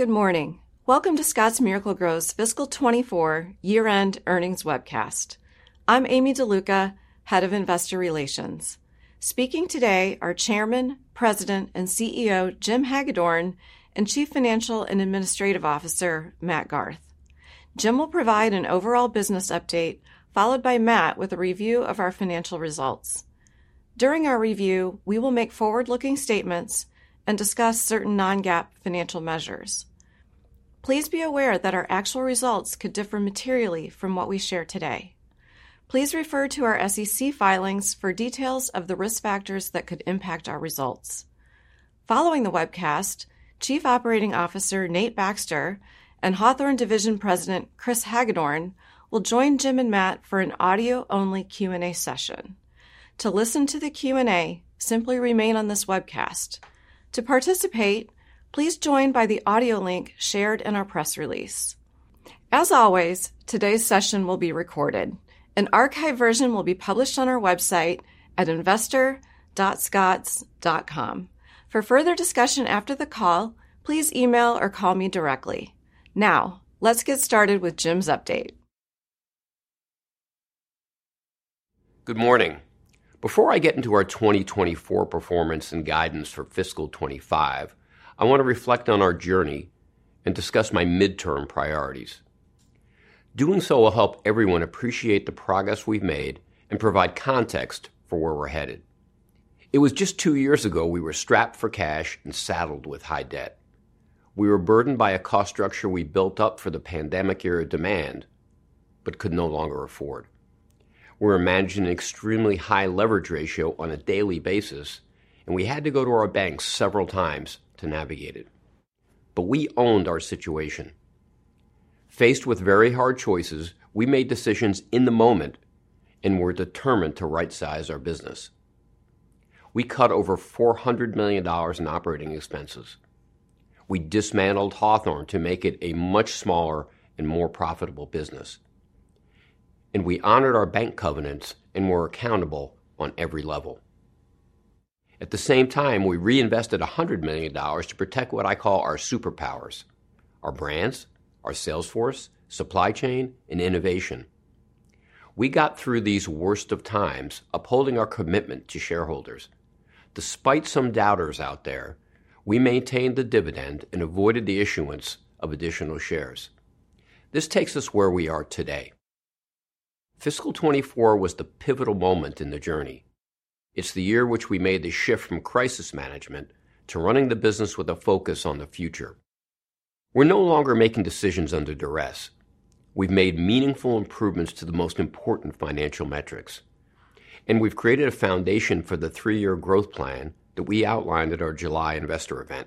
Good morning. Welcome to Scotts Miracle-Gro's Fiscal '24 Year-End Earnings Webcast. I'm Amy DeLuca, Head of Investor Relations. Speaking today are Chairman, President, and CEO Jim Hagedorn and Chief Financial and Administrative Officer Matt Garth. Jim will provide an overall business update, followed by Matt with a review of our financial results. During our review, we will make forward-looking statements and discuss certain non-GAAP financial measures. Please be aware that our actual results could differ materially from what we share today. Please refer to our SEC filings for details of the risk factors that could impact our results. Following the webcast, Chief Operating Officer Nate Baxter and Hawthorne Division President Chris Hagedorn will join Jim and Matt for an audio-only Q&A session. To listen to the Q&A, simply remain on this webcast. To participate, please join by the audio link shared in our press release. As always, today's session will be recorded. An archived version will be published on our website at investor.scotts.com. For further discussion after the call, please email or call me directly. Now, let's get started with Jim's update. Good morning. Before I get into our 2024 performance and Gardens for Fiscal 2025, I want to reflect on our journey and discuss my midterm priorities. Doing so will help everyone appreciate the progress we've made and provide context for where we're headed. It was just two years ago we were strapped for cash and saddled with high debt. We were burdened by a cost structure we built up for the pandemic-era demand but could no longer afford. We were managing an extremely high leverage ratio on a daily basis, and we had to go to our banks several times to navigate it. But we owned our situation. Faced with very hard choices, we made decisions in the moment and were determined to right-size our business. We cut over $400 million in operating expenses. We dismantled Hawthorne to make it a much smaller and more profitable business. And we honored our bank covenants and were accountable on every level. At the same time, we reinvested $100 million to protect what I call our superpowers: our brands, our salesforce, supply chain, and innovation. We got through these worst of times upholding our commitment to shareholders. Despite some doubters out there, we maintained the dividend and avoided the issuance of additional shares. This takes us where we are today. Fiscal 2024 was the pivotal moment in the journey. It's the year which we made the shift from crisis management to running the business with a focus on the future. We're no longer making decisions under duress. We've made meaningful improvements to the most important financial metrics. And we've created a foundation for the three-year growth plan that we outlined at our July investor event.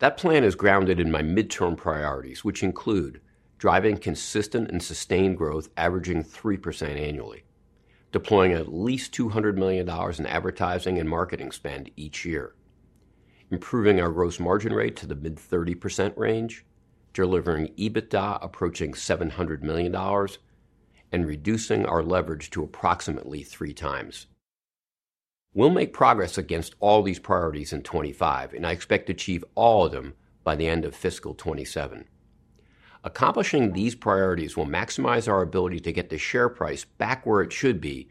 That plan is grounded in my midterm priorities, which include driving consistent and sustained growth averaging 3% annually, deploying at least $200 million in advertising and marketing spend each year, improving our gross margin rate to the mid-30% range, delivering EBITDA approaching $700 million, and reducing our leverage to approximately three times. We'll make progress against all these priorities in 2025, and I expect to achieve all of them by the end of Fiscal 2027. Accomplishing these priorities will maximize our ability to get the share price back where it should be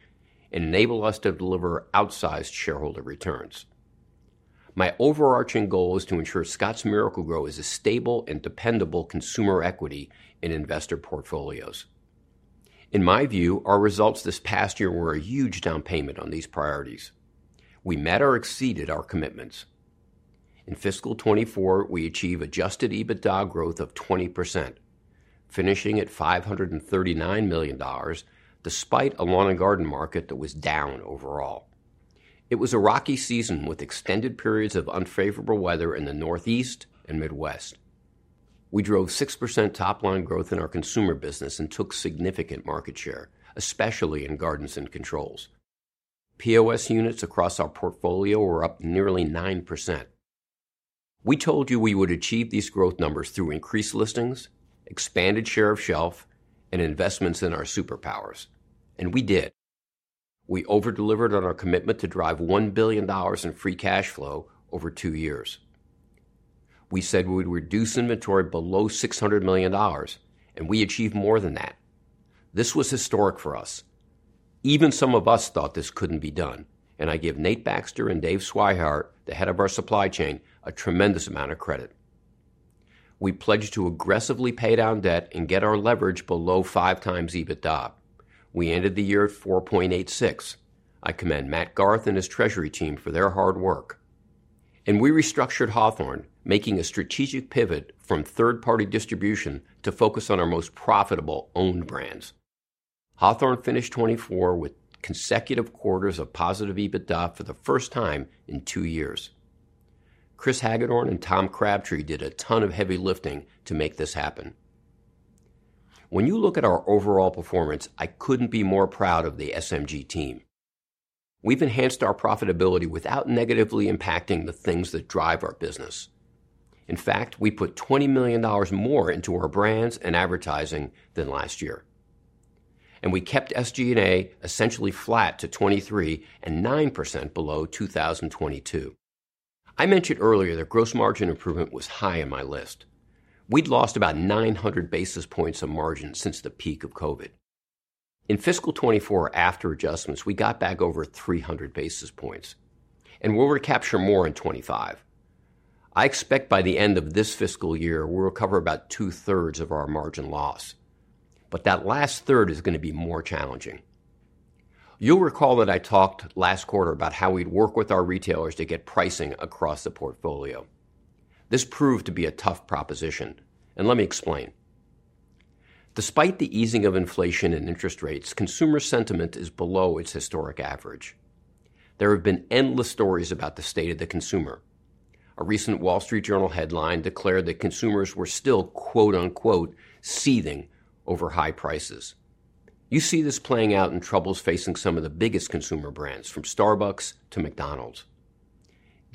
and enable us to deliver outsized shareholder returns. My overarching goal is to ensure Scotts Miracle-Gro is a stable and dependable consumer equity in investor portfolios. In my view, our results this past year were a huge down payment on these priorities. We met or exceeded our commitments. In Fiscal 2024, we achieved Adjusted EBITDA growth of 20%, finishing at $539 million despite a lawn-and-garden market that was down overall. It was a rocky season with extended periods of unfavorable weather in the Northeast and Midwest. We drove 6% top-line growth in our consumer business and took significant market share, especially in gardens and controls. POS units across our portfolio were up nearly 9%. We told you we would achieve these growth numbers through increased listings, expanded share of shelf, and investments in our superpowers. And we did. We over-delivered on our commitment to drive $1 billion in Free Cash Flow over two years. We said we would reduce inventory below $600 million, and we achieved more than that. This was historic for us. Even some of us thought this couldn't be done, and I give Nate Baxter and Dave Swihart, the head of our supply chain, a tremendous amount of credit. We pledged to aggressively pay down debt and get our leverage below five times EBITDA. We ended the year at 4.86. I commend Matt Garth and his treasury team for their hard work, and we restructured Hawthorne, making a strategic pivot from third-party distribution to focus on our most profitable owned brands. Hawthorne finished 2024 with consecutive quarters of positive EBITDA for the first time in two years. Chris Hagedorn and Tom Crabtree did a ton of heavy lifting to make this happen. When you look at our overall performance, I couldn't be more proud of the SMG team. We've enhanced our profitability without negatively impacting the things that drive our business. In fact, we put $20 million more into our brands and advertising than last year, and we kept SG&A essentially flat to 2023 and 9% below 2022. I mentioned earlier that gross margin improvement was high on my list. We'd lost about 900 basis points of margin since the peak of COVID. In Fiscal 2024, after adjustments, we got back over 300 basis points, and we'll recapture more in 2025. I expect by the end of this fiscal year, we'll recover about two-thirds of our margin loss, but that last third is going to be more challenging. You'll recall that I talked last quarter about how we'd work with our retailers to get pricing across the portfolio. This proved to be a tough proposition, and let me explain. Despite the easing of inflation and interest rates, consumer sentiment is below its historic average. There have been endless stories about the state of the consumer. A recent Wall Street Journal headline declared that consumers were still "seething" over high prices. You see this playing out in troubles facing some of the biggest consumer brands, from Starbucks to McDonald's.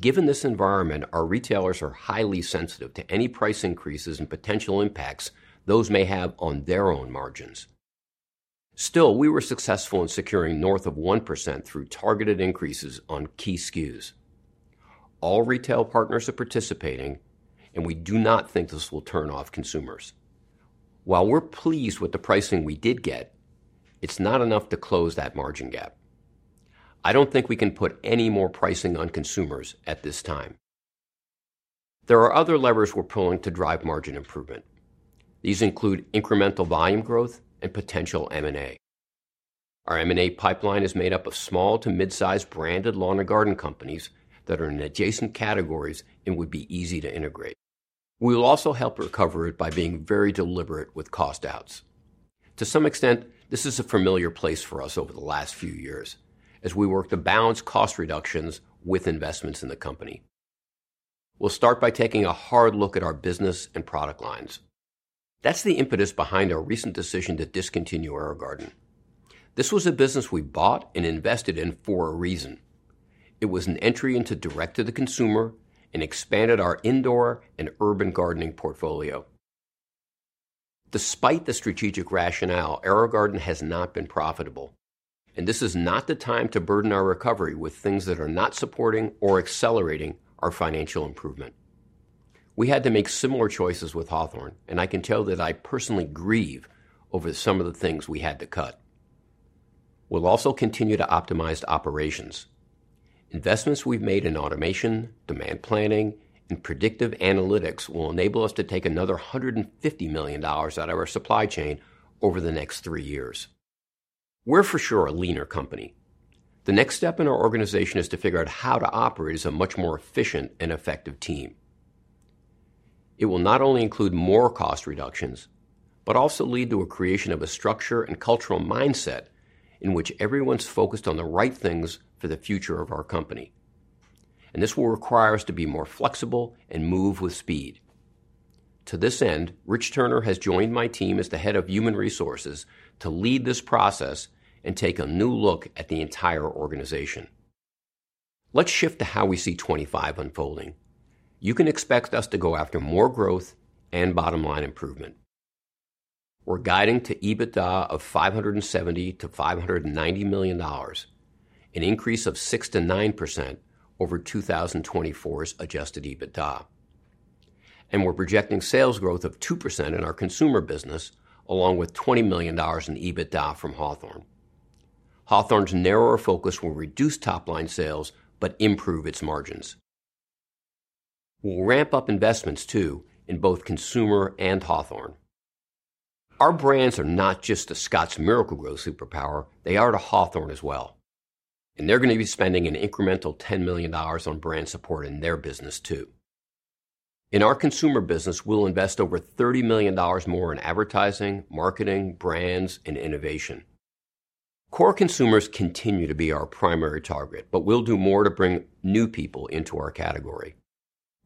Given this environment, our retailers are highly sensitive to any price increases and potential impacts those may have on their own margins. Still, we were successful in securing north of 1% through targeted increases on key SKUs. All retail partners are participating, and we do not think this will turn off consumers. While we're pleased with the pricing we did get, it's not enough to close that margin gap. I don't think we can put any more pricing on consumers at this time. There are other levers we're pulling to drive margin improvement. These include incremental volume growth and potential M&A. Our M&A pipeline is made up of small to mid-sized branded lawn-and-garden companies that are in adjacent categories and would be easy to integrate. We'll also help recover it by being very deliberate with cost outs. To some extent, this is a familiar place for us over the last few years as we work to balance cost reductions with investments in the company. We'll start by taking a hard look at our business and product lines. That's the impetus behind our recent decision to discontinue AeroGarden. This was a business we bought and invested in for a reason. It was an entry into direct-to-the-consumer and expanded our indoor and urban gardening portfolio. Despite the strategic rationale, AeroGarden has not been profitable. And this is not the time to burden our recovery with things that are not supporting or accelerating our financial improvement. We had to make similar choices with Hawthorne, and I can tell that I personally grieve over some of the things we had to cut. We'll also continue to optimize operations. Investments we've made in automation, demand planning, and predictive analytics will enable us to take another $150 million out of our supply chain over the next three years. We're for sure a leaner company. The next step in our organization is to figure out how to operate as a much more efficient and effective team. It will not only include more cost reductions, but also lead to a creation of a structure and cultural mindset in which everyone's focused on the right things for the future of our company, and this will require us to be more flexible and move with speed. To this end, Rich Turner has joined my team as the head of human resources to lead this process and take a new look at the entire organization. Let's shift to how we see 2025 unfolding. You can expect us to go after more growth and bottom-line improvement. We're guiding to EBITDA of $570-$590 million, an increase of 6%-9% over 2024's adjusted EBITDA. We're projecting sales growth of 2% in our consumer business, along with $20 million in EBITDA from Hawthorne. Hawthorne's narrower focus will reduce top-line sales but improve its margins. We'll ramp up investments, too, in both consumer and Hawthorne. Our brands are not just a Scotts Miracle-Gro superpower. They are to Hawthorne as well. They're going to be spending an incremental $10 million on brand support in their business, too. In our consumer business, we'll invest over $30 million more in advertising, marketing, brands, and innovation. Core consumers continue to be our primary target, but we'll do more to bring new people into our category.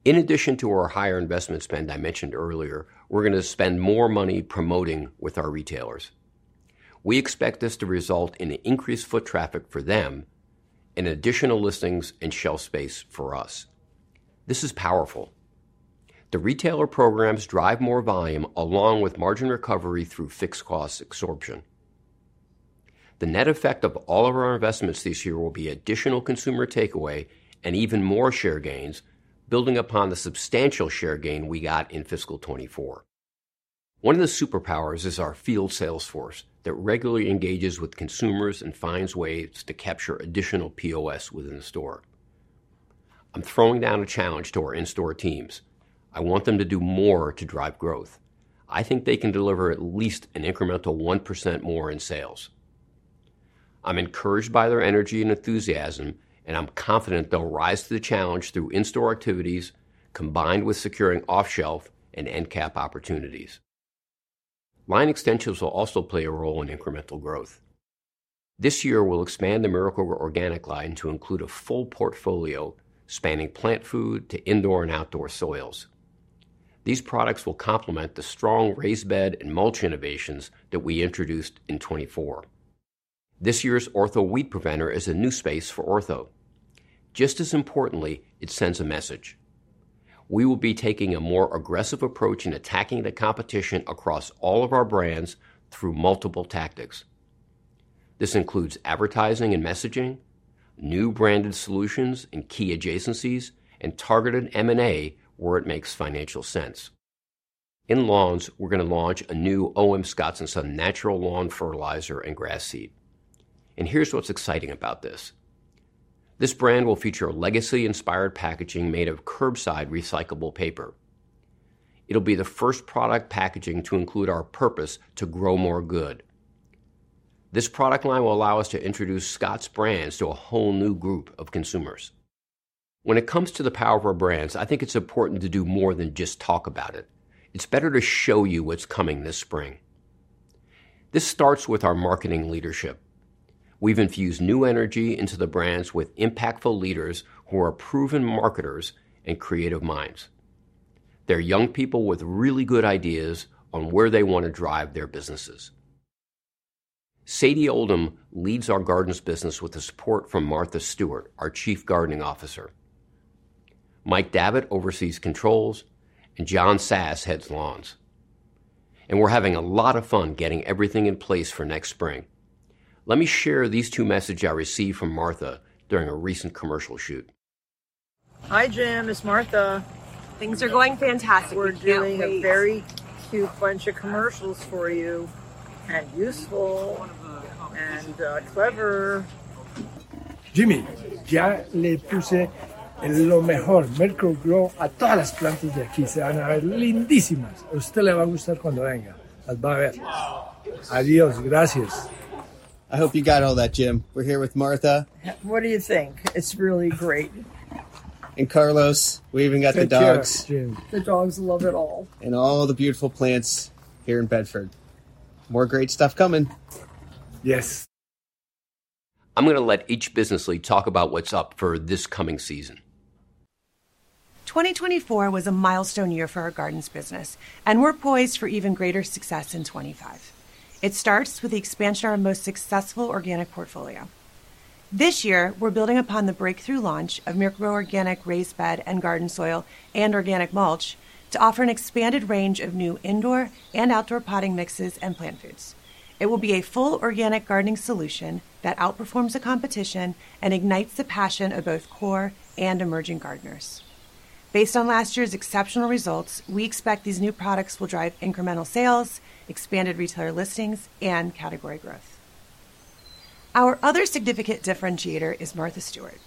In addition to our higher investment spend I mentioned earlier, we're going to spend more money promoting with our retailers. We expect this to result in increased foot traffic for them and additional listings and shelf space for us. This is powerful. The retailer programs drive more volume along with margin recovery through fixed costs absorption. The net effect of all of our investments this year will be additional consumer takeaway and even more share gains, building upon the substantial share gain we got in Fiscal 2024. One of the superpowers is our field salesforce that regularly engages with consumers and finds ways to capture additional POS within the store. I'm throwing down a challenge to our in-store teams. I want them to do more to drive growth. I think they can deliver at least an incremental 1% more in sales. I'm encouraged by their energy and enthusiasm, and I'm confident they'll rise to the challenge through in-store activities combined with securing off-shelf and end-cap opportunities. Line extensions will also play a role in incremental growth. This year, we'll expand the Miracle-Gro Organic line to include a full portfolio spanning plant food to indoor and outdoor soils. These products will complement the strong raised bed and mulch innovations that we introduced in 2024. This year's Ortho weed preventer is a new space for Ortho. Just as importantly, it sends a message. We will be taking a more aggressive approach in attacking the competition across all of our brands through multiple tactics. This includes advertising and messaging, new branded solutions and key adjacencies, and targeted M&A where it makes financial sense. In lawns, we're going to launch a new Osmocote & Sons natural lawn fertilizer and grass seed. And here's what's exciting about this. This brand will feature legacy-inspired packaging made of curbside recyclable paper. It'll be the first product packaging to include our purpose to Grow More Good. This product line will allow us to introduce Scotts brands to a whole new group of consumers. When it comes to the power of our brands, I think it's important to do more than just talk about it. It's better to show you what's coming this spring. This starts with our marketing leadership. We've infused new energy into the brands with impactful leaders who are proven marketers and creative minds. They're young people with really good ideas on where they want to drive their businesses. Sadie Oldham leads our gardens business with the support from Martha Stewart, our Chief Gardening Officer. Mike Davitt oversees controls, and John Sass heads lawns. And we're having a lot of fun getting everything in place for next spring. Let me share these two messages I received from Martha during a recent commercial shoot. Hi, Jim. It's Martha. Things are going fantastic with you. We're doing a very cute bunch of commercials for you. And useful. And clever. Jimmy, ya le puse lo mejor, Miracle-Gro a todas las plantas de aquí. Se van a ver lindísimas. A usted le va a gustar cuando venga. Las va a ver. Adiós. Gracias. I hope you got all that, Jim. We're here with Martha. What do you think? It's really great. And Carlos, we even got the dogs. The dogs love it all, and all the beautiful plants here in Bedford. More great stuff coming. Yes. I'm going to let each business lead talk about what's up for this coming season. 2024 was a milestone year for our gardens business, and we're poised for even greater success in 2025. It starts with the expansion of our most successful Organic portfolio. This year, we're building upon the breakthrough launch of Miracle-Gro Organic Raised Bed & Garden Soil and Organic mulch to offer an expanded range of new indoor and outdoor potting mixes and plant foods. It will be a full organic gardening solution that outperforms the competition and ignites the passion of both core and emerging gardeners. Based on last year's exceptional results, we expect these new products will drive incremental sales, expanded retailer listings, and category growth. Our other significant differentiator is Martha Stewart.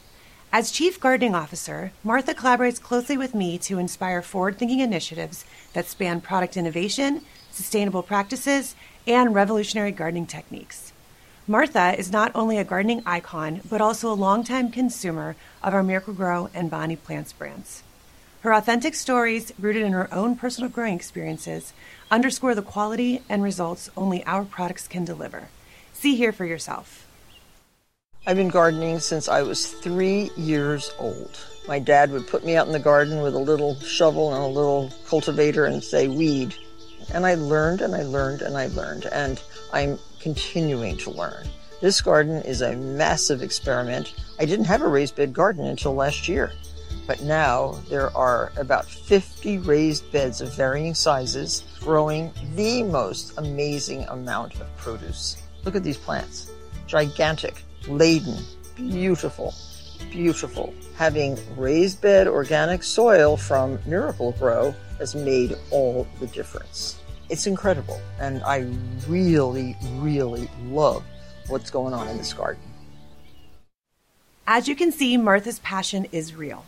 As Chief Gardening Officer, Martha collaborates closely with me to inspire forward-thinking initiatives that span product innovation, sustainable practices, and revolutionary gardening techniques. Martha is not only a gardening icon, but also a longtime consumer of our Miracle-Gro and Bonnie Plants brands. Her authentic stories, rooted in her own personal growing experiences, underscore the quality and results only our products can deliver. See here for yourself. I've been gardening since I was three years old. My dad would put me out in the garden with a little shovel and a little cultivator and say, "Weed." And I learned, and I learned, and I learned, and I'm continuing to learn. This garden is a massive experiment. I didn't have a raised bed garden until last year. But now there are about 50 raised beds of varying sizes growing the most amazing amount of produce. Look at these plants. Gigantic, laden, beautiful, beautiful. Having raised bed organic soil from Miracle-Gro has made all the difference. It's incredible, and I really, really love what's going on in this garden. As you can see, Martha's passion is real.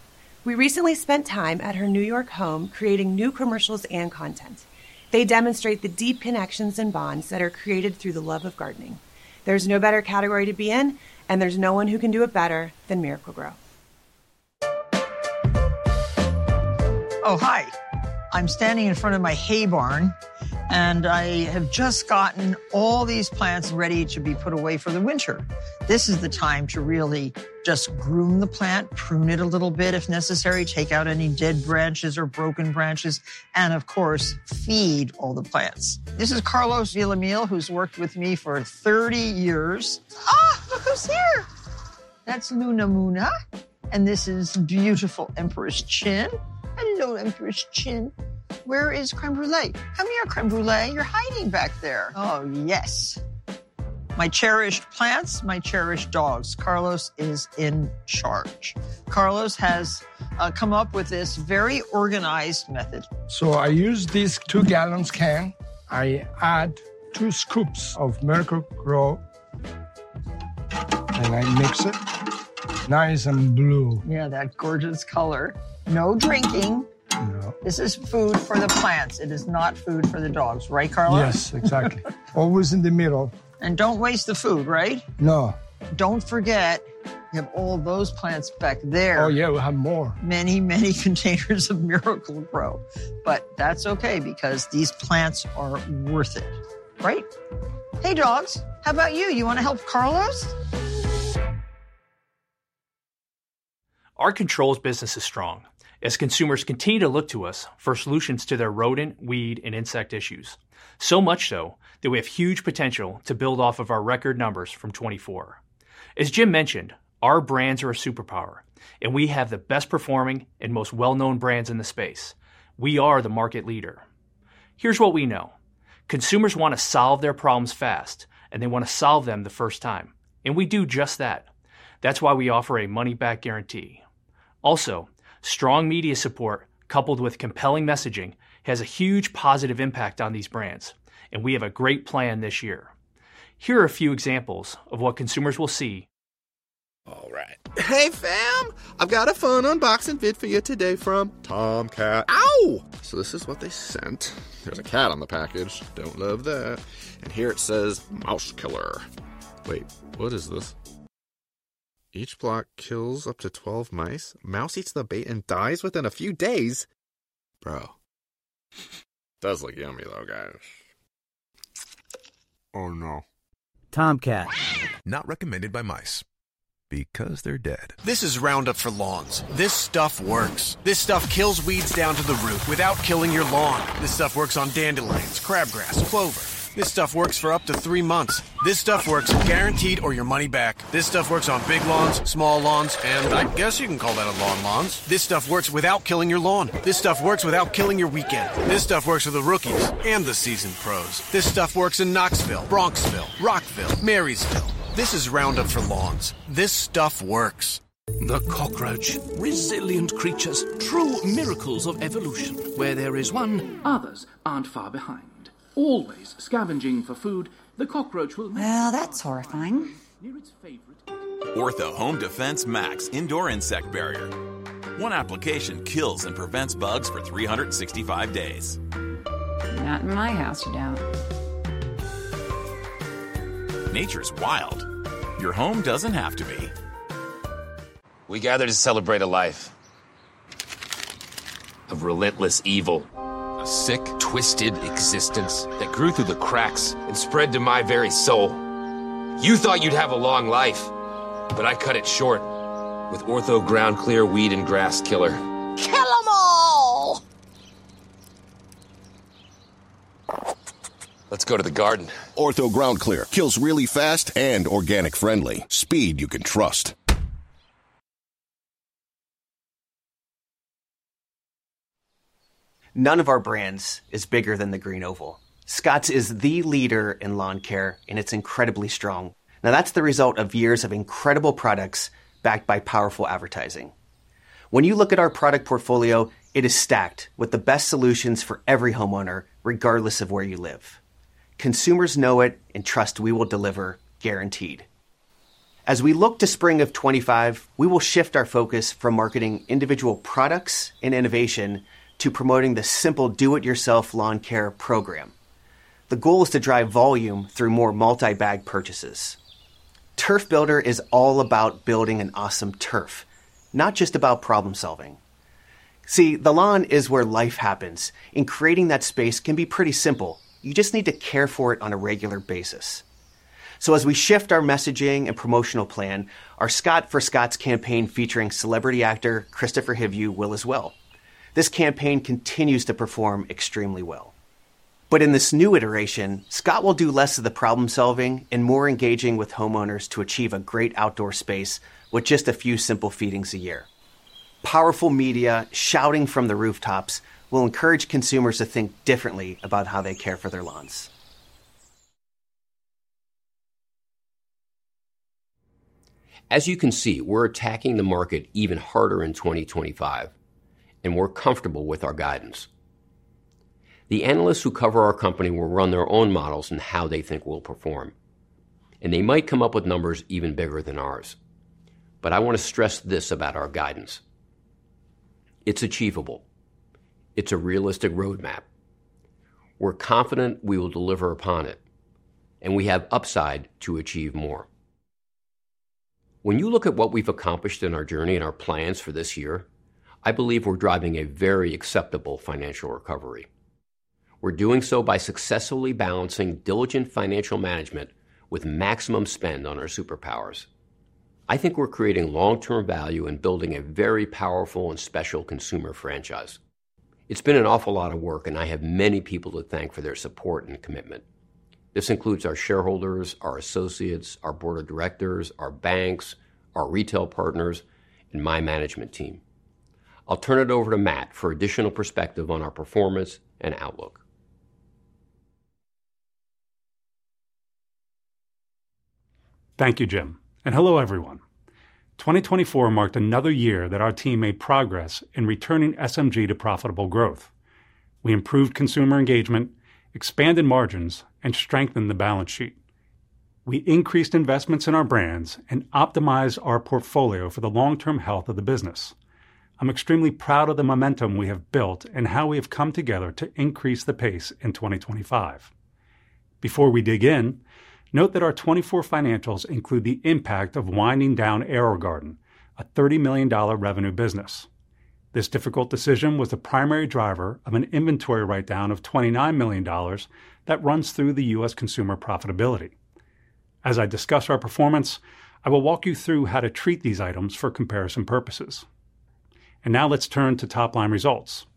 We recently spent time at her New York home creating new commercials and content. They demonstrate the deep connections and bonds that are created through the love of gardening. There's no better category to be in, and there's no one who can do it better than Miracle-Gro. Oh, hi. I'm standing in front of my hay barn, and I have just gotten all these plants ready to be put away for the winter. This is the time to really just groom the plant, prune it a little bit if necessary, take out any dead branches or broken branches, and of course, feed all the plants. This is Carlos Villamil, who's worked with me for 30 years. Look who's here. That's Luna Moona, and this is beautiful Empress Chin. Hello, Empress Qin. Where is Crème Brûlée? Come here, Crème Brûlée. You're hiding back there. Oh, yes. My cherished plants, my cherished dogs. Carlos is in charge. Carlos has come up with this very organized method. So I use this two-gallon can. I add two scoops of Miracle-Gro, and I mix it. Nice and blue. Yeah, that gorgeous color. No drinking. No. This is food for the plants. It is not food for the dogs, right, Carlos? Yes, exactly. Always in the middle. And don't waste the food, right? No. Don't forget, you have all those plants back there. Oh, yeah, we have more. Many, many containers of Miracle-Gro. But that's okay because these plants are worth it, right? Hey, dogs, how about you? You want to help Carlos? Our controls business is strong as consumers continue to look to us for solutions to their rodent, weed, and insect issues. So much so that we have huge potential to build off of our record numbers from 2024. As Jim mentioned, our brands are a superpower, and we have the best-performing and most well-known brands in the space. We are the market leader. Here's what we know. Consumers want to solve their problems fast, and they want to solve them the first time. And we do just that. That's why we offer a money-back guarantee. Also, strong media support coupled with compelling messaging has a huge positive impact on these brands, and we have a great plan this year. Here are a few examples of what consumers will see. All right. Hey, fam. I've got a fun unboxing vid for you today from Tomcat. Ow. So this is what they sent. There's a cat on the package. Don't love that. And here it says, "Mouse killer." Wait, what is this? Each block kills up to 12 mice. Mouse eats the bait and dies within a few days. Bro. Does look yummy, though, guys. Oh, no. Tomcat. Not recommended by mice. Because they're dead. This is Roundup for Lawns. This stuff works. This stuff kills weeds down to the root without killing your lawn. This stuff works on dandelions, crabgrass, clover. This stuff works for up to three months. This stuff works guaranteed or your money back. This stuff works on big lawns, small lawns, and I guess you can call that a lawn lawns. This stuff works without killing your lawn. This stuff works without killing your weekend. This stuff works for the rookies and the seasoned pros. This stuff works in Knoxville, Bronxville, Rockville, Marysville. This is Roundup for Lawns. This stuff works. The cockroach. Resilient creatures. True miracles of evolution. Where there is one, others aren't far behind. Always scavenging for food, the cockroach will... Well, that's horrifying. Ortho Home Defense Max indoor Insect Barrier. One application kills and prevents bugs for 365 days. Not in my house, you don't. Nature's wild. Your home doesn't have to be. We gathered to celebrate a life of relentless evil. A sick, twisted existence that grew through the cracks and spread to my very soul. You thought you'd have a long life, but I cut it short with Ortho GroundClear Weed and Grass Killer. Kill them all. Let's go to the garden. Ortho GroundClear kills really fast and organic-friendly. Speed you can trust. None of our brands is bigger than the green oval. Scotts is the leader in lawn care, and it's incredibly strong. Now, that's the result of years of incredible products backed by powerful advertising. When you look at our product portfolio, it is stacked with the best solutions for every homeowner, regardless of where you live. Consumers know it and trust we will deliver, guaranteed. As we look to spring of 2025, we will shift our focus from marketing individual products and innovation to promoting the simple do-it-yourself lawn care program. The goal is to drive volume through more multi-bag purchases. Turf Builder is all about building an awesome turf, not just about problem-solving. See, the lawn is where life happens, and creating that space can be pretty simple. You just need to care for it on a regular basis. So, as we shift our messaging and promotional plan, our Scott for Scotts campaign featuring celebrity actor Kristofer Hivju will as well. This campaign continues to perform extremely well. But in this new iteration, Scott will do less of the problem-solving and more engaging with homeowners to achieve a great outdoor space with just a few simple feedings a year. Powerful media shouting from the rooftops will encourage consumers to think differently about how they care for their lawns. As you can see, we're attacking the market even harder in 2025, and we're comfortable with our guidance. The analysts who cover our company will run their own models and how they think we'll perform, and they might come up with numbers even bigger than ours. But I want to stress this about our guidance. It's achievable. It's a realistic roadmap. We're confident we will deliver upon it, and we have upside to achieve more. When you look at what we've accomplished in our journey and our plans for this year, I believe we're driving a very acceptable financial recovery. We're doing so by successfully balancing diligent financial management with maximum spend on our superpowers. I think we're creating long-term value and building a very powerful and special consumer franchise. It's been an awful lot of work, and I have many people to thank for their support and commitment. This includes our shareholders, our associates, our board of directors, our banks, our retail partners, and my management team. I'll turn it over to Matt for additional perspective on our performance and outlook. Thank you, Jim. And hello, everyone. 2024 marked another year that our team made progress in returning SMG to profitable growth. We improved consumer engagement, expanded margins, and strengthened the balance sheet. We increased investments in our brands and optimized our portfolio for the long-term health of the business. I'm extremely proud of the momentum we have built and how we have come together to increase the pace in 2025. Before we dig in, note that our '24 financials include the impact of winding down AeroGarden, a $30 million revenue business. This difficult decision was the primary driver of an inventory write-down of $29 million that runs through the U.S. consumer profitability. As I discuss our performance, I will walk you through how to treat these items for comparison purposes. And now let's turn to top-line results.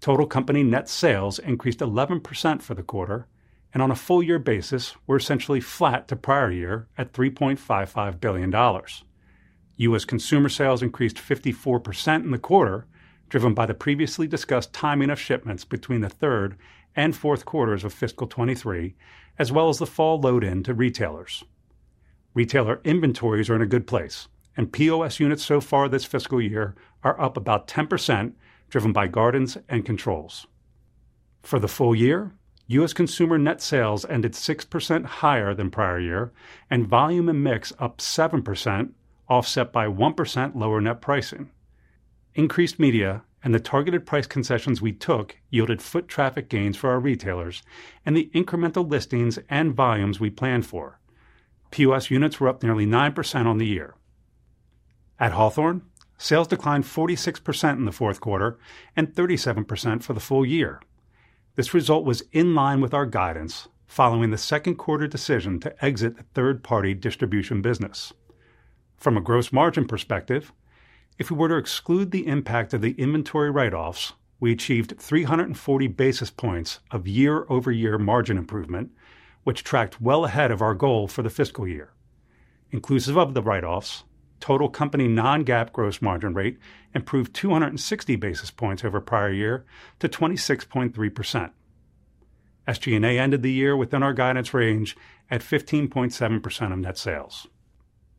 Total company net sales increased 11% for the quarter, and on a full-year basis, we're essentially flat to prior year at $3.55 billion. U.S. Consumer sales increased 54% in the quarter, driven by the previously discussed timing of shipments between the third and fourth quarters of fiscal 2023, as well as the fall load-in to retailers. Retailer inventories are in a good place, and POS units so far this fiscal year are up about 10%, driven by guidance and controls. For the full year, U.S. consumer net sales ended 6% higher than prior year, and volume and mix up 7%, offset by 1% lower net pricing. Increased media and the targeted price concessions we took yielded foot traffic gains for our retailers and the incremental listings and volumes we planned for. POS units were up nearly 9% on the year. At Hawthorne, sales declined 46% in the fourth quarter and 37% for the full year. This result was in line with our guidance, following the second quarter decision to exit a third-party distribution business. From a gross margin perspective, if we were to exclude the impact of the inventory write-offs, we achieved 340 basis points of year-over-year margin improvement, which tracked well ahead of our goal for the fiscal year. Inclusive of the write-offs, total company non-GAAP gross margin rate improved 260 basis points over prior year to 26.3%. SG&A ended the year within our guidance range at 15.7% of net sales.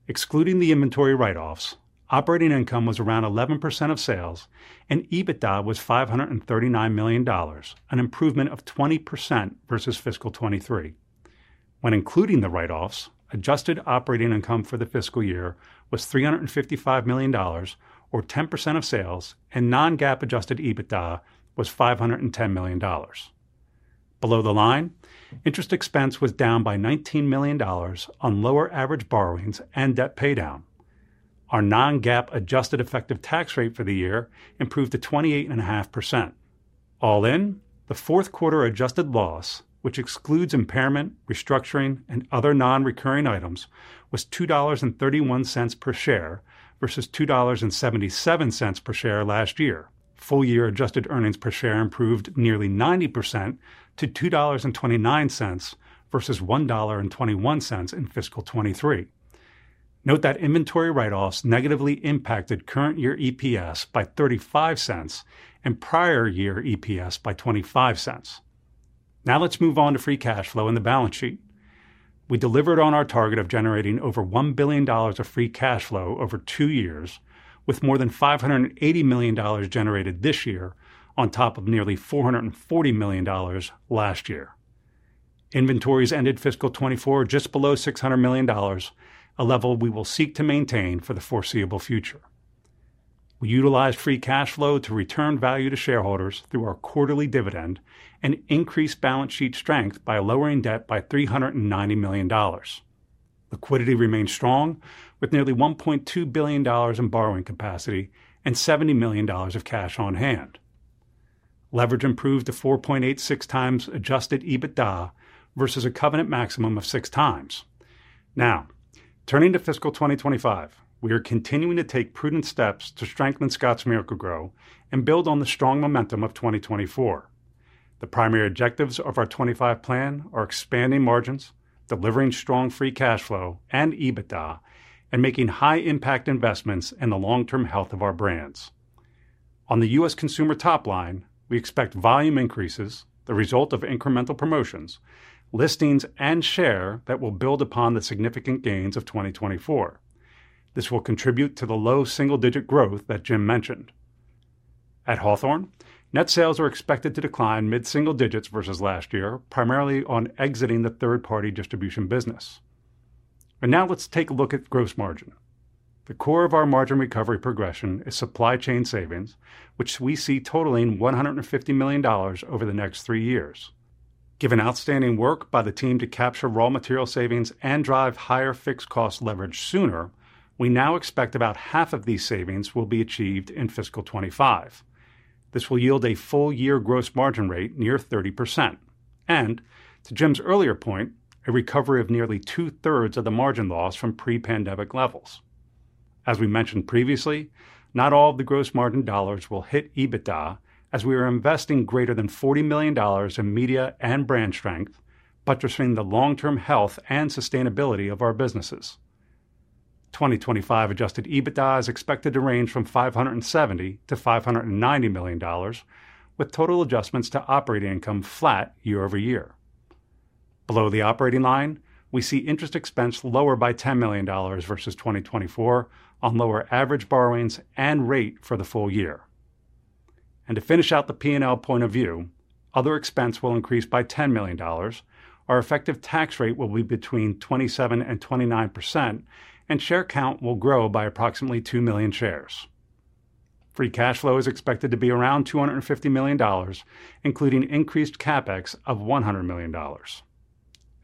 Excluding the inventory write-offs, operating income was around 11% of sales, and EBITDA was $539 million, an improvement of 20% versus fiscal 2023. When including the write-offs, adjusted operating income for the fiscal year was $355 million, or 10% of sales, and non-GAAP adjusted EBITDA was $510 million. Below the line, interest expense was down by $19 million on lower average borrowings and debt paydown. Our non-GAAP adjusted effective tax rate for the year improved to 28.5%. All in, the fourth quarter adjusted loss, which excludes impairment, restructuring, and other non-recurring items, was $2.31 per share versus $2.77 per share last year. Full-year adjusted earnings per share improved nearly 90% to $2.29 versus $1.21 in fiscal 2023. Note that inventory write-offs negatively impacted current year EPS by $0.35 and prior year EPS by $0.25. Now let's move on to free cash flow and the balance sheet. We delivered on our target of generating over $1 billion of free cash flow over two years, with more than $580 million generated this year on top of nearly $440 million last year. Inventories ended fiscal 2024 just below $600 million, a level we will seek to maintain for the foreseeable future. We utilized free cash flow to return value to shareholders through our quarterly dividend and increased balance sheet strength by lowering debt by $390 million. Liquidity remained strong, with nearly $1.2 billion in borrowing capacity and $70 million of cash on hand. Leverage improved to 4.86 times adjusted EBITDA versus a covenant maximum of six times. Now, turning to fiscal 2025, we are continuing to take prudent steps to strengthen Scotts Miracle-Gro and build on the strong momentum of 2024. The primary objectives of our '25 plan are expanding margins, delivering strong free cash flow and EBITDA, and making high-impact investments in the long-term health of our brands. On the U.S. consumer top line, we expect volume increases, the result of incremental promotions, listings, and share that will build upon the significant gains of 2024. This will contribute to the low single-digit growth that Jim mentioned. At Hawthorne, net sales are expected to decline mid-single digits versus last year, primarily on exiting the third-party distribution business. And now let's take a look at gross margin. The core of our margin recovery progression is supply chain savings, which we see totaling $150 million over the next three years. Given outstanding work by the team to capture raw material savings and drive higher fixed cost leverage sooner, we now expect about half of these savings will be achieved in fiscal 2025. This will yield a full-year gross margin rate near 30%, and to Jim's earlier point, a recovery of nearly two-thirds of the margin loss from pre-pandemic levels. As we mentioned previously, not all of the gross margin dollars will hit EBITDA, as we are investing greater than $40 million in media and brand strength, buttressing the long-term health and sustainability of our businesses. 2025 adjusted EBITDA is expected to range $570-$590 million, with total adjustments to operating income flat year-over-year. Below the operating line, we see interest expense lower by $10 million versus 2024 on lower average borrowings and rate for the full year. And to finish out the P&L point of view, other expense will increase by $10 million, our effective tax rate will be between 27 and 29%, and share count will grow by approximately 2 million shares. Free cash flow is expected to be around $250 million, including increased CapEx of $100 million.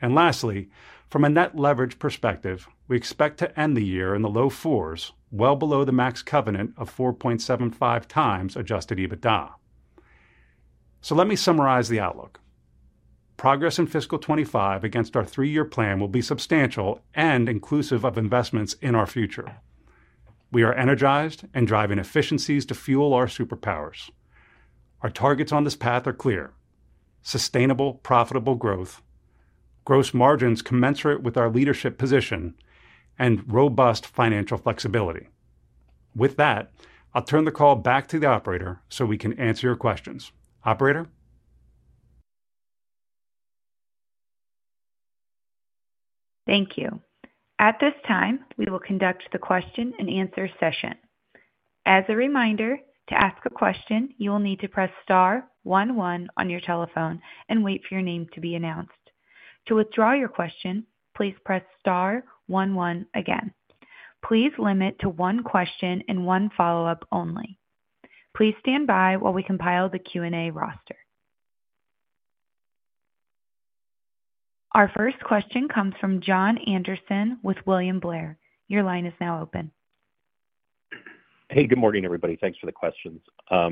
And lastly, from a net leverage perspective, we expect to end the year in the low fours, well below the max covenant of 4.75 times adjusted EBITDA. So let me summarize the outlook. Progress in fiscal 2025 against our three-year plan will be substantial and inclusive of investments in our future. We are energized and driving efficiencies to fuel our superpowers. Our targets on this path are clear: sustainable, profitable growth, gross margins commensurate with our leadership position, and robust financial flexibility. With that, I'll turn the call back to the operator so we can answer your questions. Operator? Thank you. At this time, we will conduct the question and answer session. As a reminder, to ask a question, you will need to press star 11 on your telephone and wait for your name to be announced. To withdraw your question, please press star 11 again. Please limit to one question and one follow-up only. Please stand by while we compile the Q&A roster. Our first question comes from Jon Andersen with William Blair. Your line is now open. Hey, good morning, everybody. Thanks for the questions. I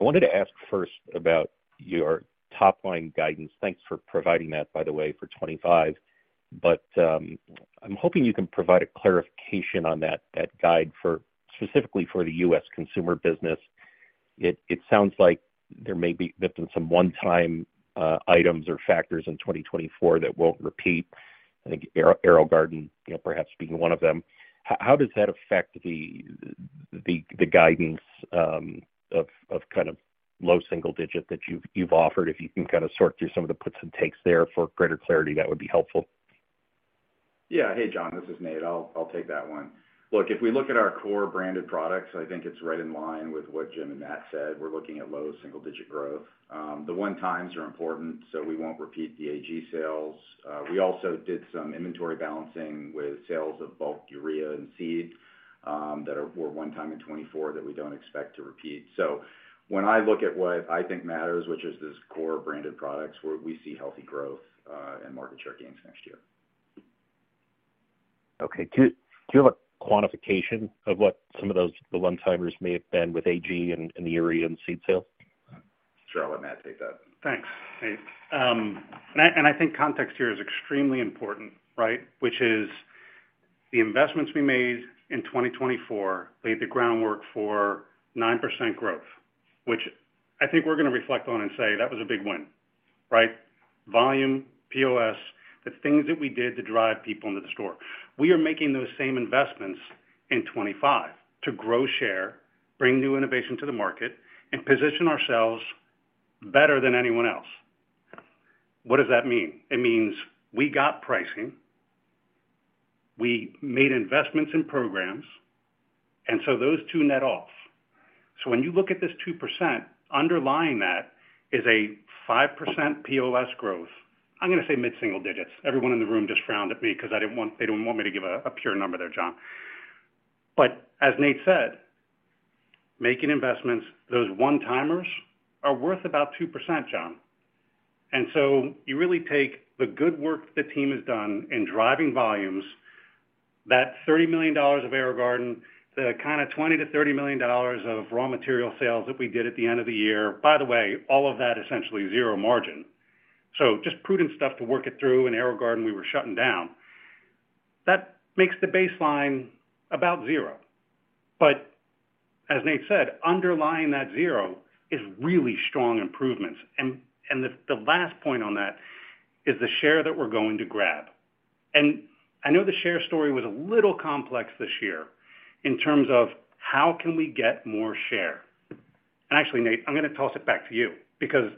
wanted to ask first about your top-line guidance. Thanks for providing that, by the way, for 2025. But I'm hoping you can provide a clarification on that guidance specifically for the U.S. consumer business. It sounds like there may be some one-time items or factors in 2024 that won't repeat. I think AeroGarden, perhaps being one of them. How does that affect the guidance of kind of low single-digit that you've offered? If you can kind of sort through some of the puts and takes there for greater clarity, that would be helpful. Yeah. Hey, John, this is Nate. I'll take that one. Look, if we look at our core branded products, I think it's right in line with what Jim and Matt said. We're looking at low single-digit growth. The one-time items are important, so we won't repeat the AG sales. We also did some inventory balancing with sales of bulk urea and seed that were one time in 2024 that we don't expect to repeat, so when I look at what I think matters, which is this core branded products, we see healthy growth and market share gains next year. Okay. Do you have a quantification of what some of those one timers may have been with AG and the urea and seed sales? Sure. I'll let Matt take that. Thanks, and I think context here is extremely important, right? Which is the investments we made in 2024 laid the groundwork for 9% growth, which I think we're going to reflect on and say that was a big win, right? Volume, POS, the things that we did to drive people into the store. We are making those same investments in 2025 to grow share, bring new innovation to the market, and position ourselves better than anyone else. What does that mean? It means we got pricing, we made investments in programs, and so those two net off. So when you look at this 2%, underlying that is a 5% POS growth. I'm going to say mid-single digits. Everyone in the room just frowned at me because they didn't want me to give a pure number there, John. But as Nate said, making investments, those one timers are worth about 2%, John. And so you really take the good work the team has done in driving volumes, that $30 million of AeroGarden, the kind of $20-$30 million of raw material sales that we did at the end of the year, by the way, all of that essentially zero margin. Just prudent stuff to work it through, and AeroGarden, we were shutting down. That makes the baseline about zero. But as Nate said, underlying that zero is really strong improvements. The last point on that is the share that we're going to grab. I know the share story was a little complex this year in terms of how can we get more share. Actually, Nate, I'm going to toss it back to you because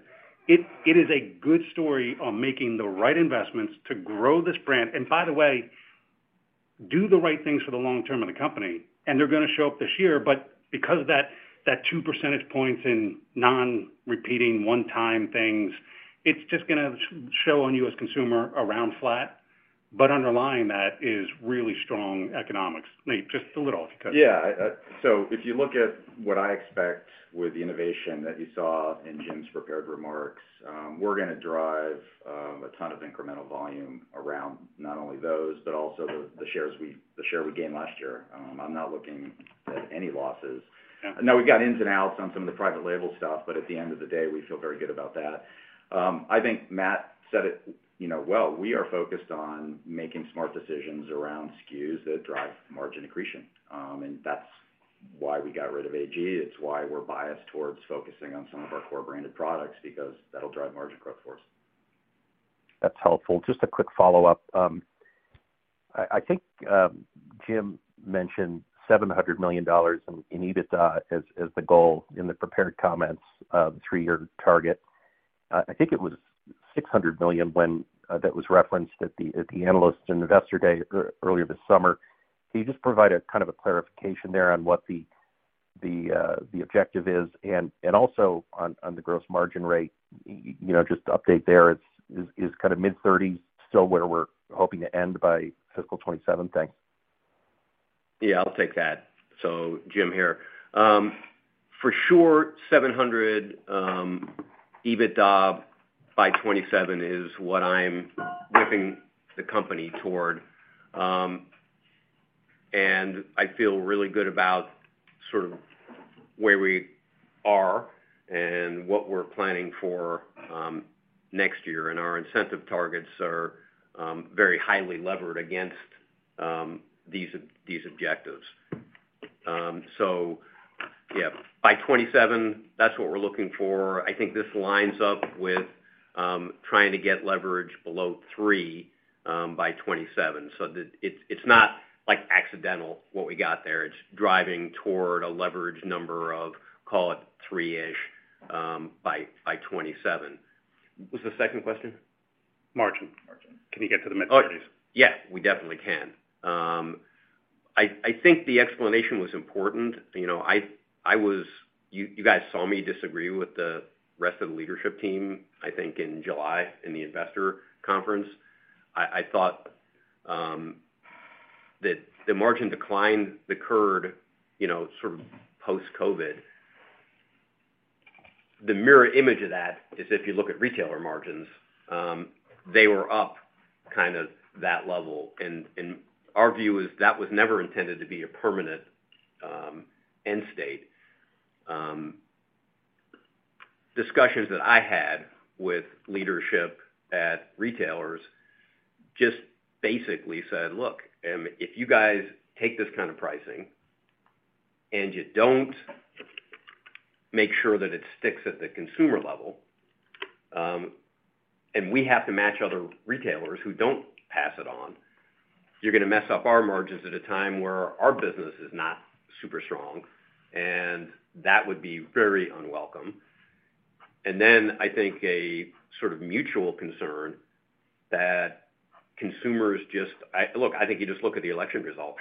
it is a good story on making the right investments to grow this brand. By the way, do the right things for the long term of the company, and they're going to show up this year. Because of that 2 percentage points in non-repeating one-time things, it's just going to show on you as a consumer around flat. Underlying that is really strong economics. Nate, just a little if you could. Yeah. So if you look at what I expect with the innovation that you saw in Jim's prepared remarks, we're going to drive a ton of incremental volume around not only those, but also the share we gained last year. I'm not looking at any losses. Now, we've got ins and outs on some of the private label stuff, but at the end of the day, we feel very good about that. I think Matt said it well. We are focused on making smart decisions around SKUs that drive margin accretion. And that's why we got rid of AG. It's why we're biased towards focusing on some of our core branded products because that'll drive margin growth for us. That's helpful. Just a quick follow-up. I think Jim mentioned $700 million in EBITDA as the goal in the prepared comments of the three-year target. I think it was $600 million when that was referenced at the analysts and investor day earlier this summer. Can you just provide a kind of a clarification there on what the objective is? And also on the gross margin rate, just update there, is kind of mid-30s% still where we're hoping to end by fiscal 2027?Thanks. Yeah, I'll take that, so Jim here. For sure, $700 EBITDA by 2027 is what I'm whipping the company toward. And I feel really good about sort of where we are and what we're planning for next year. And our incentive targets are very highly levered against these objectives. So yeah, by 2027, that's what we're looking for. I think this lines up with trying to get leverage below three by 2027. It's not like accidental what we got there. It's driving toward a leverage number of, call it, three-ish by 2027. What was the second question? Margin. Can you get to the mid-30s? Yeah, we definitely can. I think the explanation was important. You guys saw me disagree with the rest of the leadership team, I think, in July in the investor conference. I thought that the margin decline that occurred sort of post-COVID; the mirror image of that is if you look at retailer margins, they were up kind of that level, and our view is that was never intended to be a permanent end state. Discussions that I had with leadership at retailers just basically said, "Look, if you guys take this kind of pricing and you don't make sure that it sticks at the consumer level, and we have to match other retailers who don't pass it on, you're going to mess up our margins at a time where our business is not super strong." And that would be very unwelcome. And then I think a sort of mutual concern that consumers just, look, I think you just look at the election results.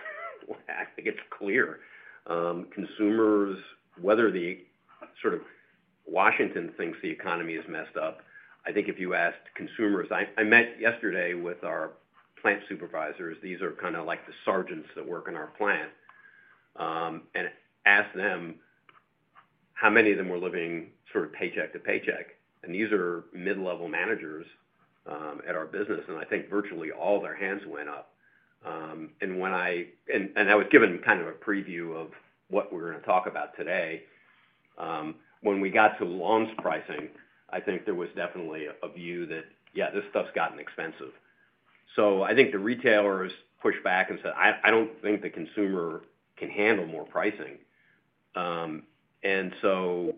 I think it's clear. Consumers, whether the sort of Washington thinks the economy is messed up, I think if you asked consumers. I met yesterday with our plant supervisors. These are kind of like the sergeants that work in our plant. And asked them how many of them were living sort of paycheck to paycheck. And these are mid-level managers at our business. And I think virtually all their hands went up. And I was given kind of a preview of what we're going to talk about today. When we got to lawns pricing, I think there was definitely a view that, yeah, this stuff's gotten expensive. So I think the retailers pushed back and said, "I don't think the consumer can handle more pricing." And so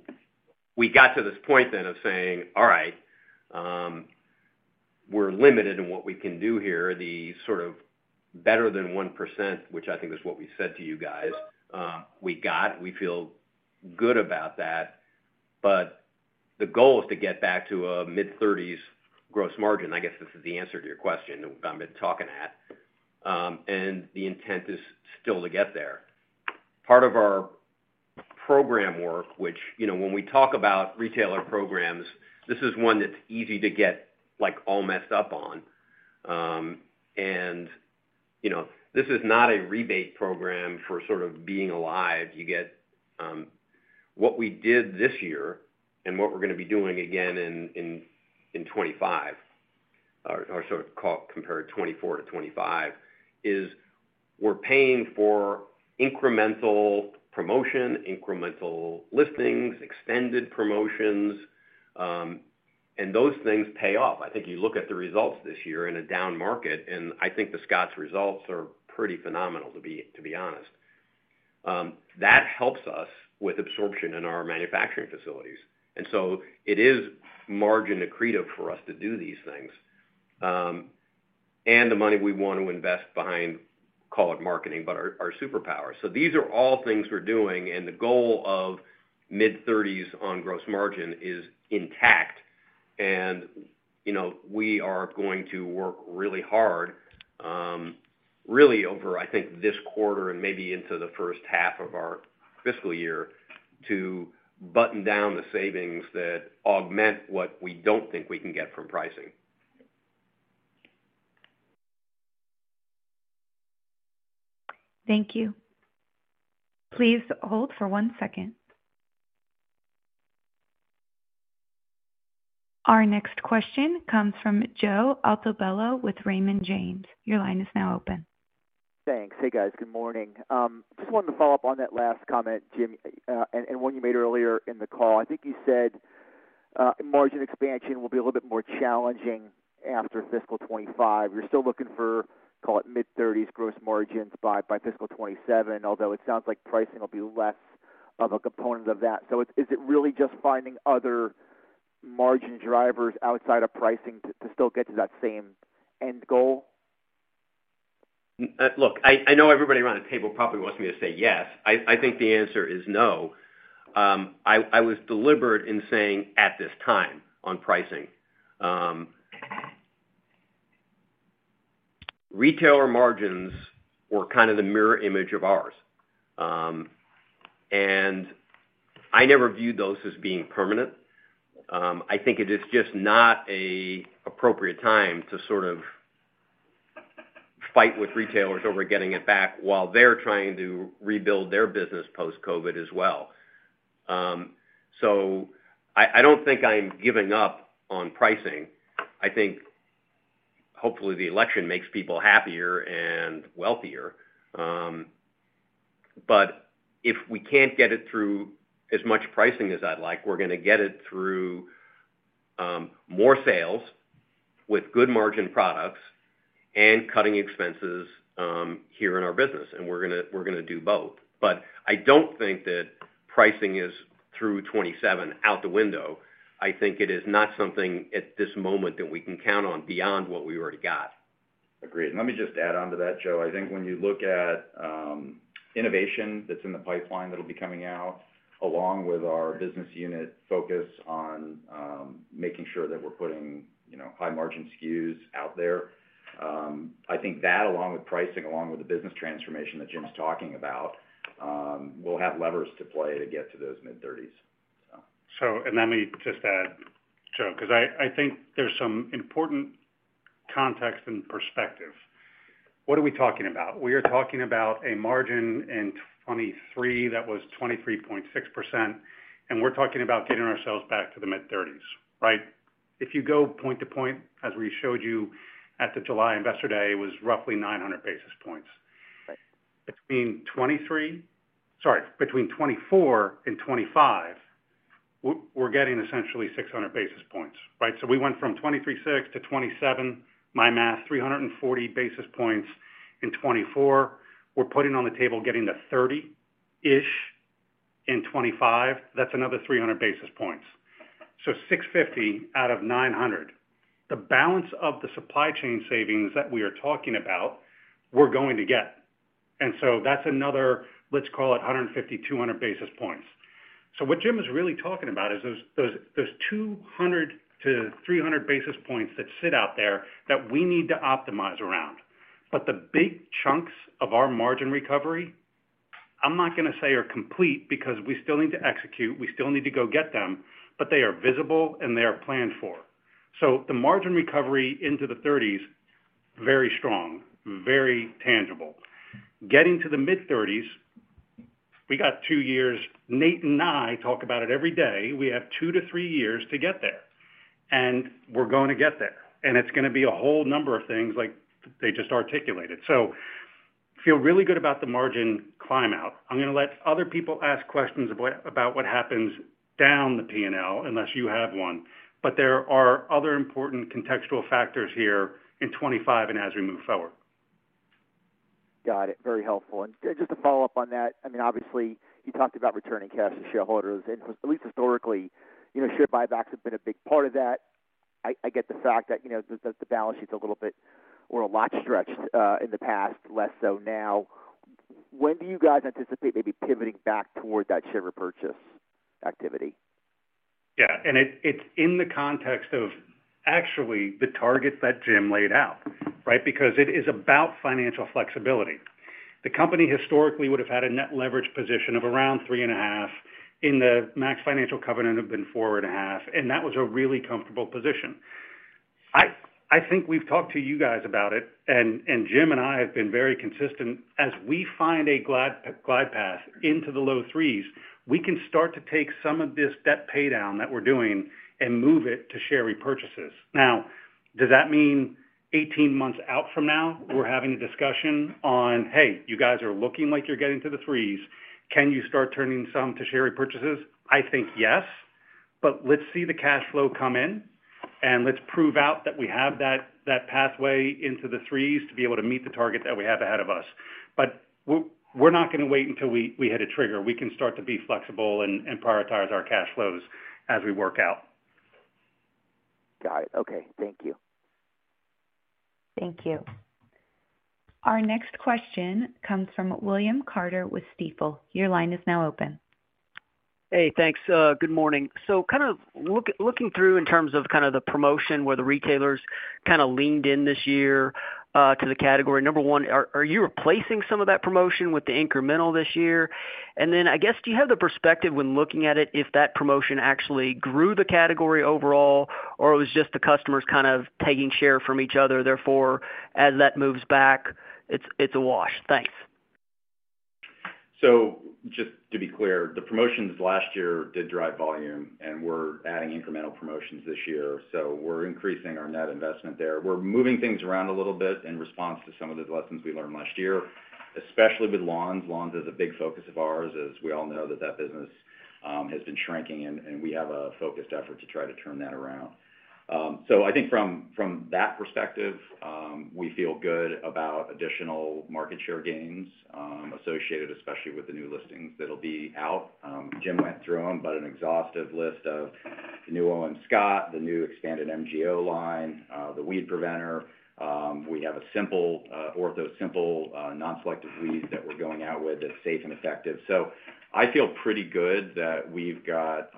we got to this point then of saying, "All right, we're limited in what we can do here." The sort of better than 1%, which I think is what we said to you guys, we got. We feel good about that. But the goal is to get back to a mid-30s gross margin. I guess this is the answer to your question that we've been talking at. And the intent is still to get there. Part of our program work, which, when we talk about retailer programs, this is one that's easy to get all messed up on, and this is not a rebate program for sort of being alive. You get what we did this year and what we're going to be doing again in 2025, or sort of compare 2024 to 2025, is we're paying for incremental promotion, incremental listings, extended promotions, and those things pay off. I think you look at the results this year in a down market, and I think the Scotts results are pretty phenomenal, to be honest. That helps us with absorption in our manufacturing facilities, and so it is margin accretive for us to do these things, and the money we want to invest behind, call it marketing, but our superpower, so these are all things we're doing. The goal of mid-30s on gross margin is intact. We are going to work really hard, really over, I think, this quarter and maybe into the first half of our fiscal year to button down the savings that augment what we don't think we can get from pricing. Thank you. Please hold for one second. Our next question comes from Joe Altobello with Raymond James. Your line is now open. Thanks. Hey, guys. Good morning. Just wanted to follow up on that last comment, Jim, and one you made earlier in the call. I think you said margin expansion will be a little bit more challenging after fiscal 2025. You're still looking for, call it mid-30s gross margins by fiscal 2027, although it sounds like pricing will be less of a component of that. So is it really just finding other margin drivers outside of pricing to still get to that same end goal? Look, I know everybody around the table probably wants me to say yes. I think the answer is no. I was deliberate in saying at this time on pricing. Retailer margins were kind of the mirror image of ours. And I never viewed those as being permanent. I think it is just not an appropriate time to sort of fight with retailers over getting it back while they're trying to rebuild their business post-COVID as well. So I don't think I'm giving up on pricing. I think hopefully the election makes people happier and wealthier. But if we can't get it through as much pricing as I'd like, we're going to get it through more sales with good margin products and cutting expenses here in our business. And we're going to do both. But I don't think that pricing is through 2027 out the window. I think it is not something at this moment that we can count on beyond what we already got. Agreed. And let me just add on to that, Joe. I think when you look at innovation that's in the pipeline that'll be coming out along with our business unit focus on making sure that we're putting high-margin SKUs out there, I think that along with pricing, along with the business transformation that Jim's talking about, we'll have levers to play to get to those mid-30s. And let me just add, Joe, because I think there's some important context and perspective. What are we talking about? We are talking about a margin in 2023 that was 23.6%, and we're talking about getting ourselves back to the mid-30s, right? If you go point to point, as we showed you at the July investor day, it was roughly 900 basis points. Between 2024 and 2025, we're getting essentially 600 basis points, right? So we went from 23.6 to 27, my math, 340 basis points in 2024. We're putting on the table getting to 30-ish in 2025. That's another 300 basis points. So 650 out of 900. The balance of the supply chain savings that we are talking about, we're going to get. And so that's another, let's call it 150-200 basis points. So what Jim is really talking about is those 200-300 basis points that sit out there that we need to optimize around. But the big chunks of our margin recovery, I'm not going to say are complete because we still need to execute. We still need to go get them, but they are visible and they are planned for. So the margin recovery into the 30s, very strong, very tangible. Getting to the mid-30s, we got two years. Nate and I talk about it every day. We have two to three years to get there. And we're going to get there. And it's going to be a whole number of things like they just articulated. So feel really good about the margin climax. I'm going to let other people ask questions about what happens down the P&L unless you have one. But there are other important contextual factors here in 2025 and as we move forward. Got it. Very helpful. And just to follow up on that, I mean, obviously, you talked about returning cash to shareholders. And at least historically, share buybacks have been a big part of that. I get the fact that the balance sheet's a little bit or a lot stretched in the past, less so now. When do you guys anticipate maybe pivoting back toward that share purchase activity? Yeah. And it's in the context of actually the targets that Jim laid out, right? Because it is about financial flexibility. The company historically would have had a net leverage position of around three and a half in the max financial covenant of being four and a half. And that was a really comfortable position. I think we've talked to you guys about it. And Jim and I have been very consistent. As we find a glide path into the low threes, we can start to take some of this debt paydown that we're doing and move it to share repurchases. Now, does that mean 18 months out from now we're having a discussion on, "Hey, you guys are looking like you're getting to the threes. Can you start turning some to share repurchases?" I think yes. But let's see the cash flow come in, and let's prove out that we have that pathway into the threes to be able to meet the target that we have ahead of us. But we're not going to wait until we hit a trigger. We can start to be flexible and prioritize our cash flows as we work out. Got it. Okay. Thank you. Thank you. Our next question comes from William Carter with Stifel. Your line is now open. Hey, thanks. Good morning. So kind of looking through in terms of kind of the promotion where the retailers kind of leaned in this year to the category. Number one, are you replacing some of that promotion with the incremental this year? And then I guess, do you have the perspective when looking at it if that promotion actually grew the category overall, or it was just the customers kind of taking share from each other? Therefore, as that moves back, it's a wash. Thanks. So just to be clear, the promotions last year did drive volume, and we're adding incremental promotions this year. So we're increasing our net investment there. We're moving things around a little bit in response to some of the lessons we learned last year, especially with lawns. Lawns is a big focus of ours, as we all know that that business has been shrinking, and we have a focused effort to try to turn that around. So I think from that perspective, we feel good about additional market share gains associated, especially with the new listings that will be out. Jim went through them, but an exhaustive list of the new O.M. Scott, the new expanded MGO line, the weed preventer. We have a simple Ortho simple non-selective weed that we're going out with that's safe and effective. So I feel pretty good that we've got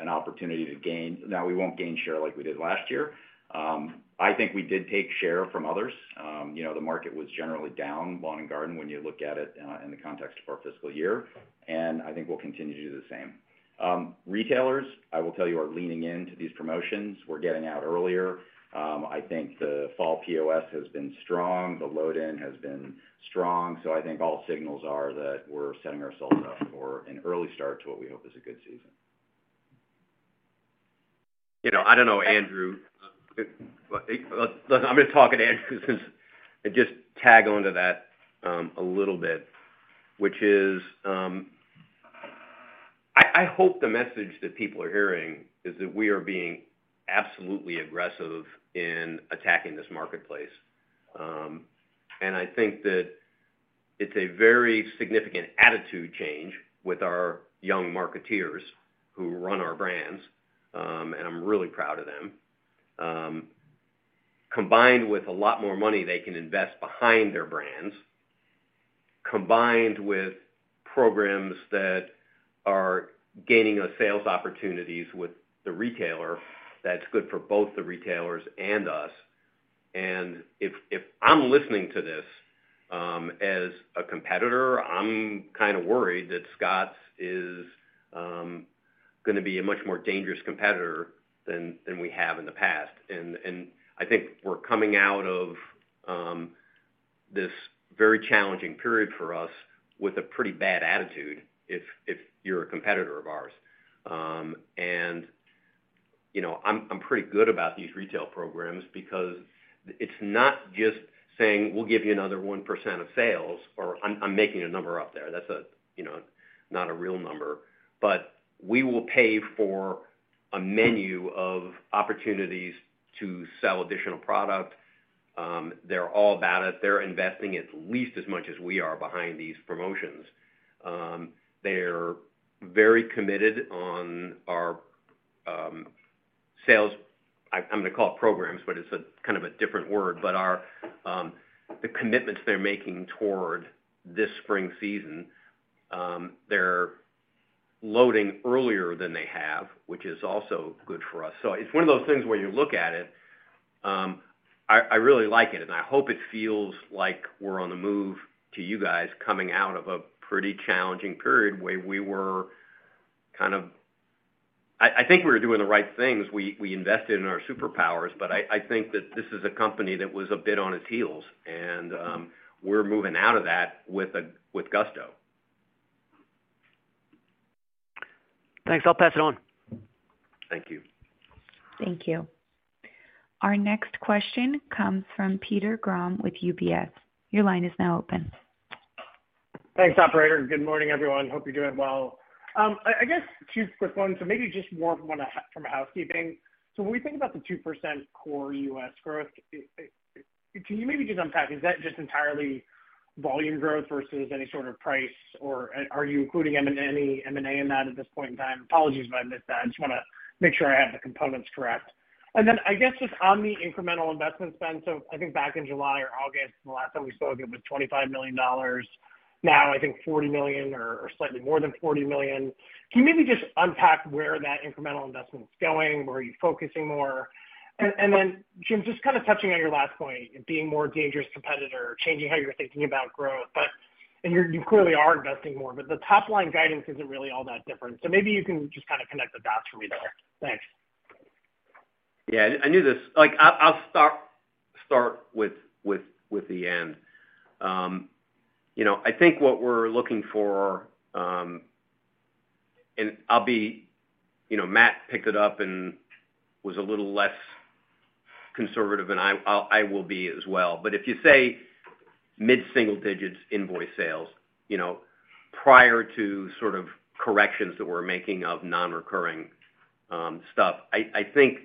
an opportunity to gain. Now, we won't gain share like we did last year. I think we did take share from others. The market was generally down, lawn and garden, when you look at it in the context of our fiscal year. And I think we'll continue to do the same. Retailers, I will tell you, are leaning into these promotions. We're getting out earlier. I think the fall POS has been strong. The load-in has been strong. So I think all signals are that we're setting ourselves up for an early start to what we hope is a good season. I don't know, Andrew. I'm going to talk at Andrew's and just tag on to that a little bit, which is I hope the message that people are hearing is that we are being absolutely aggressive in attacking this marketplace. And I think that it's a very significant attitude change with our young marketeers who run our brands. And I'm really proud of them. Combined with a lot more money they can invest behind their brands, combined with programs that are gaining sales opportunities with the retailer, that's good for both the retailers and us. And if I'm listening to this as a competitor, I'm kind of worried that Scotts is going to be a much more dangerous competitor than we have in the past. And I think we're coming out of this very challenging period for us with a pretty bad attitude if you're a competitor of ours. And I'm pretty good about these retail programs because it's not just saying, "We'll give you another 1% of sales," or I'm making a number up there. That's not a real number. But we will pay for a menu of opportunities to sell additional product. They're all about it. They're investing at least as much as we are behind these promotions. They're very committed on our sales, I'm going to call it programs, but it's kind of a different word, but the commitments they're making toward this spring season, they're loading earlier than they have, which is also good for us. So it's one of those things where you look at it. I really like it. I hope it feels like we're on the move to you guys coming out of a pretty challenging period where we were kind of—I think we were doing the right things. We invested in our superpowers, but I think that this is a company that was a bit on its heels. And we're moving out of that with gusto. Thanks. I'll pass it on. Thank you. Thank you. Our next question comes from Peter Grom with UBS. Your line is now open. Thanks, operator. Good morning, everyone. Hope you're doing well. I guess two quick ones. So maybe just more from a housekeeping. So when we think about the 2% core U.S. growth, can you maybe just unpack? Is that just entirely volume growth versus any sort of price? Or are you including any M&A in that at this point in time? Apologies if I missed that. I just want to make sure I have the components correct. And then I guess just on the incremental investment spend. So I think back in July or August, the last time we spoke, it was $25 million. Now, I think $40 million or slightly more than $40 million. Can you maybe just unpack where that incremental investment is going, where you're focusing more? And then, Jim, just kind of touching on your last point, being a more dangerous competitor, changing how you're thinking about growth. And you clearly are investing more, but the top-line guidance isn't really all that different. So maybe you can just kind of connect the dots for me there. Thanks. Yeah. I knew this. I'll start with the end. I think what we're looking for and Matt picked it up and was a little less conservative than I will be as well. But if you say mid-single digits invoice sales prior to sort of corrections that we're making of non-recurring stuff, I think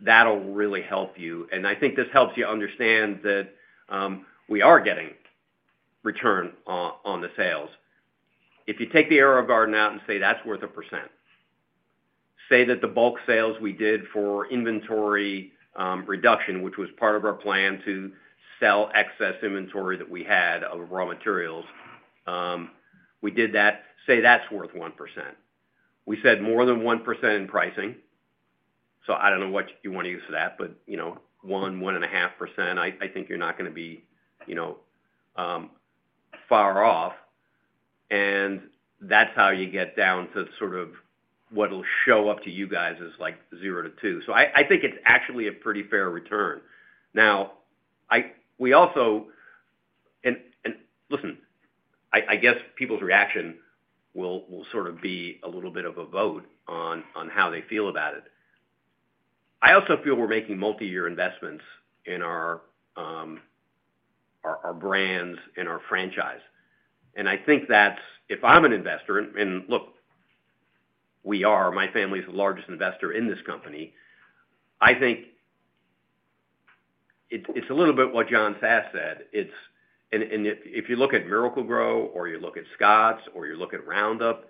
that'll really help you. And I think this helps you understand that we are getting return on the sales. If you take the AeroGarden out and say, "That's worth 1%," say that the bulk sales we did for inventory reduction, which was part of our plan to sell excess inventory that we had of raw materials, we did that, say that's worth 1%. We said more than 1% in pricing. So I don't know what you want to use for that, but 1, 1.5%, I think you're not going to be far off. And that's how you get down to sort of what'll show up to you guys is like 0%-2%. So I think it's actually a pretty fair return. Now, we also, and listen, I guess people's reaction will sort of be a little bit of a vote on how they feel about it. I also feel we're making multi-year investments in our brands and our franchise, and I think that's, if I'm an investor, and look, we are. My family's the largest investor in this company. I think it's a little bit what John Sass said, and if you look at Miracle-Gro or you look at Scotts or you look at Roundup,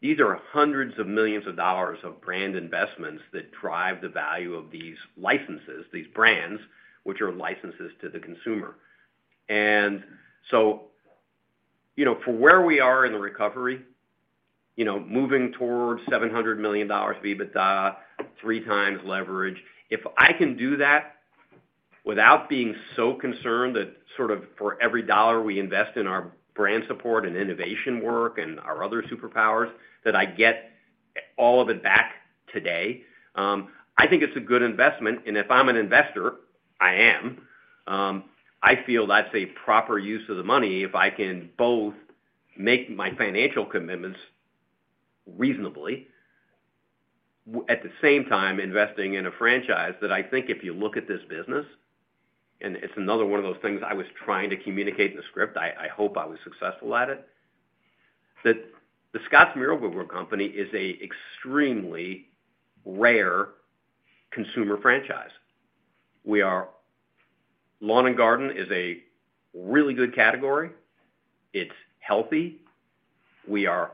these are hundreds of millions of dollars of brand investments that drive the value of these licenses, these brands, which are licenses to the consumer. And so for where we are in the recovery, moving towards $700 million of EBITDA, three times leverage, if I can do that without being so concerned that sort of for every dollar we invest in our brand support and innovation work and our other superpowers, that I get all of it back today, I think it's a good investment. And if I'm an investor, I am, I feel that's a proper use of the money if I can both make my financial commitments reasonably at the same time investing in a franchise that I think if you look at this business, and it's another one of those things I was trying to communicate in the script. I hope I was successful at it, that the Scotts Miracle-Gro Company is an extremely rare consumer franchise. Lawn and garden is a really good category. It's healthy. We are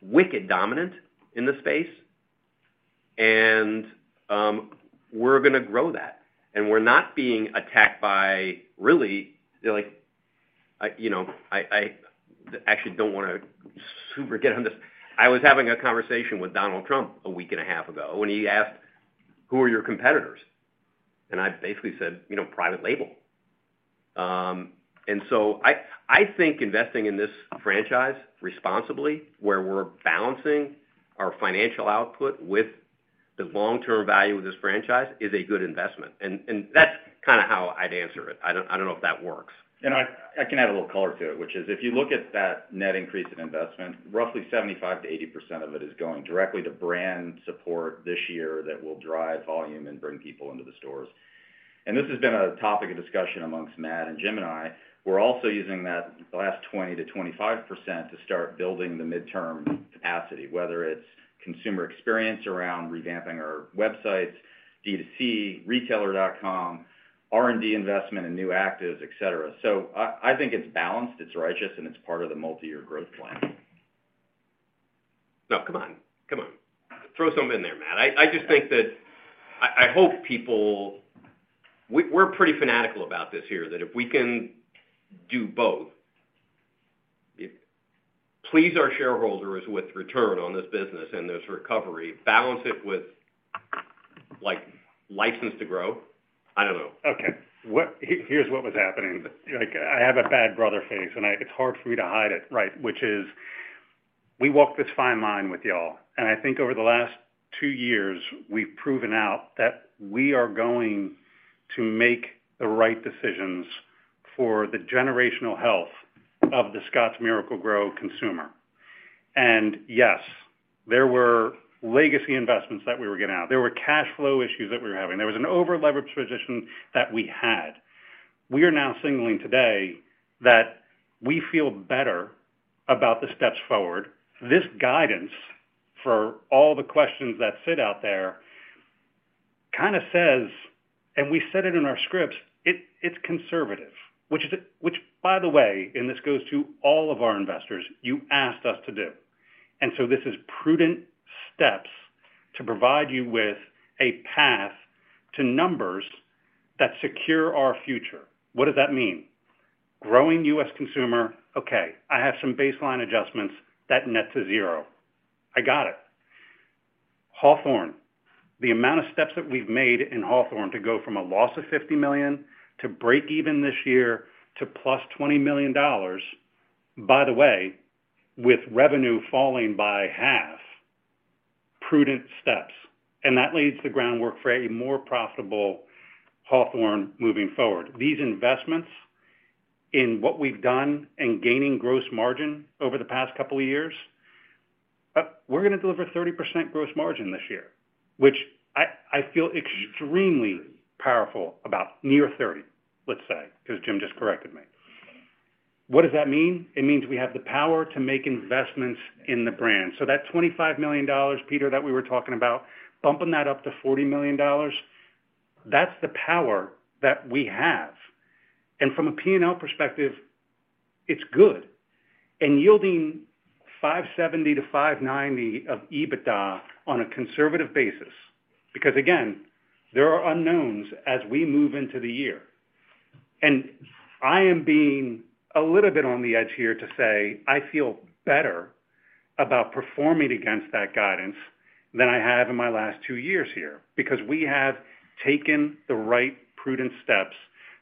wicked dominant in the space. And we're going to grow that. And we're not being attacked by really, I actually don't want to super get on this. I was having a conversation with Donald Trump a week and a half ago when he asked, "Who are your competitors?" And I basically said, "Private label." And so I think investing in this franchise responsibly, where we're balancing our financial output with the long-term value of this franchise, is a good investment. And that's kind of how I'd answer it. I don't know if that works. And I can add a little color to it, which is if you look at that net increase in investment, roughly 75%-80% of it is going directly to brand support this year that will drive volume and bring people into the stores. And this has been a topic of discussion amongst Matt and Jim and I. We're also using that last 20%-25% to start building the midterm capacity, whether it's consumer experience around revamping our websites, D2C, Retailer.com, R&D investment, and new actives, etc. So I think it's balanced. It's righteous. And it's part of the multi-year growth plan. No, come on. Come on. Throw something in there, Matt. I just think that I hope people, we're pretty fanatical about this here, that if we can do both, please our shareholders with return on this business and this recovery, balance it with license to grow. I don't know. Okay. Here's what was happening. I have a bad poker face. And it's hard for me to hide it, right, which is we walked this fine line with y'all. And I think over the last two years, we've proven out that we are going to make the right decisions for the generational health of the Scotts Miracle-Gro consumer. And yes, there were legacy investments that we were getting out. There were cash flow issues that we were having. There was an over-leverage position that we had. We are now signaling today that we feel better about the steps forward. This guidance for all the questions that sit out there kind of says, and we said it in our scripts, it's conservative, which, by the way, and this goes to all of our investors, you asked us to do. And so this is prudent steps to provide you with a path to numbers that secure our future. What does that mean? Growing U.S. consumer, okay. I have some baseline adjustments that net to zero. I got it. Hawthorne, the amount of steps that we've made in Hawthorne to go from a loss of $50 million to break even this year to plus $20 million, by the way, with revenue falling by half, prudent steps. And that lays the groundwork for a more profitable Hawthorne moving forward. These investments in what we've done and gaining gross margin over the past couple of years, we're going to deliver 30% gross margin this year, which I feel extremely powerful about, near 30, let's say, because Jim just corrected me. What does that mean? It means we have the power to make investments in the brand. So that $25 million, Peter, that we were talking about, bumping that up to $40 million, that's the power that we have. And from a P&L perspective, it's good. Yielding 570-590 of EBITDA on a conservative basis because, again, there are unknowns as we move into the year. And I am being a little bit on the edge here to say I feel better about performing against that guidance than I have in my last two years here because we have taken the right prudent steps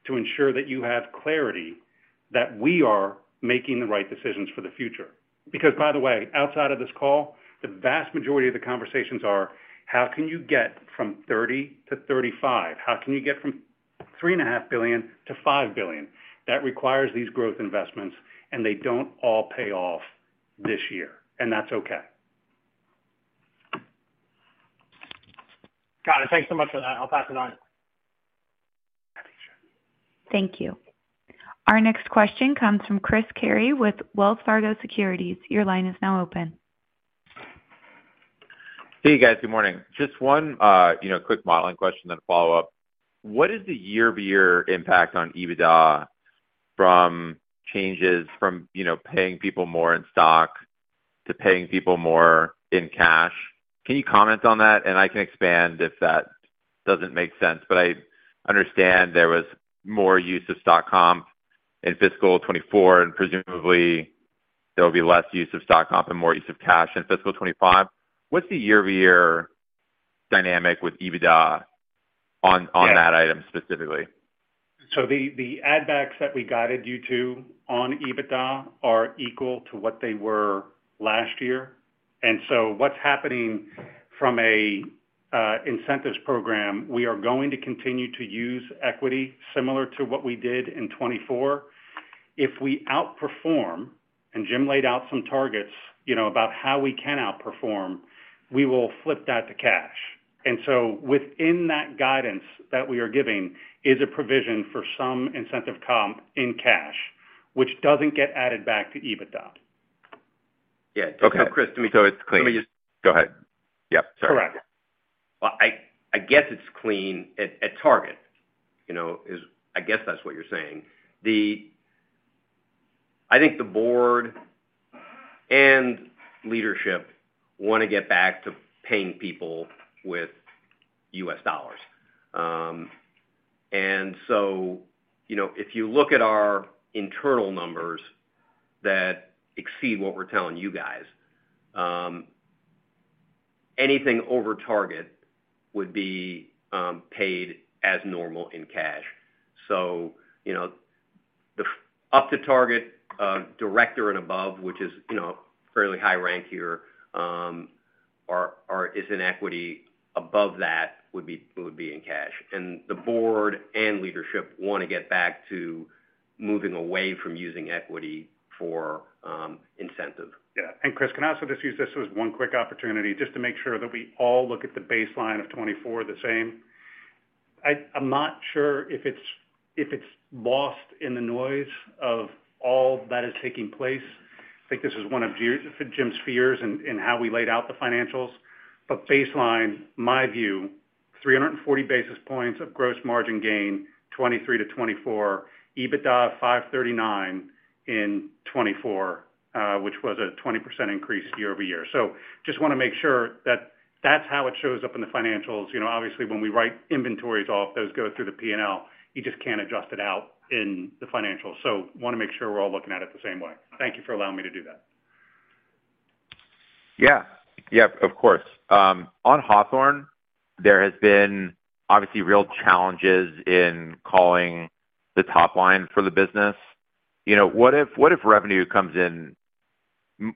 to ensure that you have clarity that we are making the right decisions for the future. Because, by the way, outside of this call, the vast majority of the conversations are, "How can you get from 30-35? How can you get from $3.5 billion-$5 billion?" That requires these growth investments. And they don't all pay off this year. And that's okay. Got it. Thanks so much for that. I'll pass it on. Thank you. Our next question comes from Chris Carey with Wells Fargo Securities. Your line is now open. Hey, guys. Good morning. Just one quick modeling question then a follow-up. What is the year-to-year impact on EBITDA from changes from paying people more in stock to paying people more in cash? Can you comment on that? And I can expand if that doesn't make sense. But I understand there was more use of stock comp in fiscal 2024, and presumably, there will be less use of stock comp and more use of cash in fiscal 2025. What's the year-to-year dynamic with EBITDA on that item specifically? So the add-backs that we guided you to on EBITDA are equal to what they were last year. And so what's happening from an incentives program, we are going to continue to use equity similar to what we did in 2024. If we outperform, and Jim laid out some targets about how we can outperform, we will flip that to cash. And so within that guidance that we are giving is a provision for some incentive comp in cash, which doesn't get added back to EBITDA. Yeah. So Chris, let me just, go ahead. Yep. Sorry. Correct. Well, I guess it's clean at target. I guess that's what you're saying. I think the board and leadership want to get back to paying people with U.S. dollars. And so if you look at our internal numbers that exceed what we're telling you guys, anything over target would be paid as normal in cash. So the up-to-target director and above, which is fairly high rank here, or is in equity above that would be in cash. And the board and leadership want to get back to moving away from using equity for incentive. Yeah. Chris, can I also just use this as one quick opportunity just to make sure that we all look at the baseline of 2024 the same? I'm not sure if it's lost in the noise of all that is taking place. I think this is one of Jim's fears in how we laid out the financials. But baseline, my view, 340 basis points of gross margin gain, 2023 to 2024, EBITDA 539 in 2024, which was a 20% increase year-over-year. So just want to make sure that that's how it shows up in the financials. Obviously, when we write inventories off, those go through the P&L. You just can't adjust it out in the financials. So want to make sure we're all looking at it the same way. Thank you for allowing me to do that. Yeah. Yep. Of course. On Hawthorne, there have been obviously real challenges in calling the top line for the business. What if revenue comes in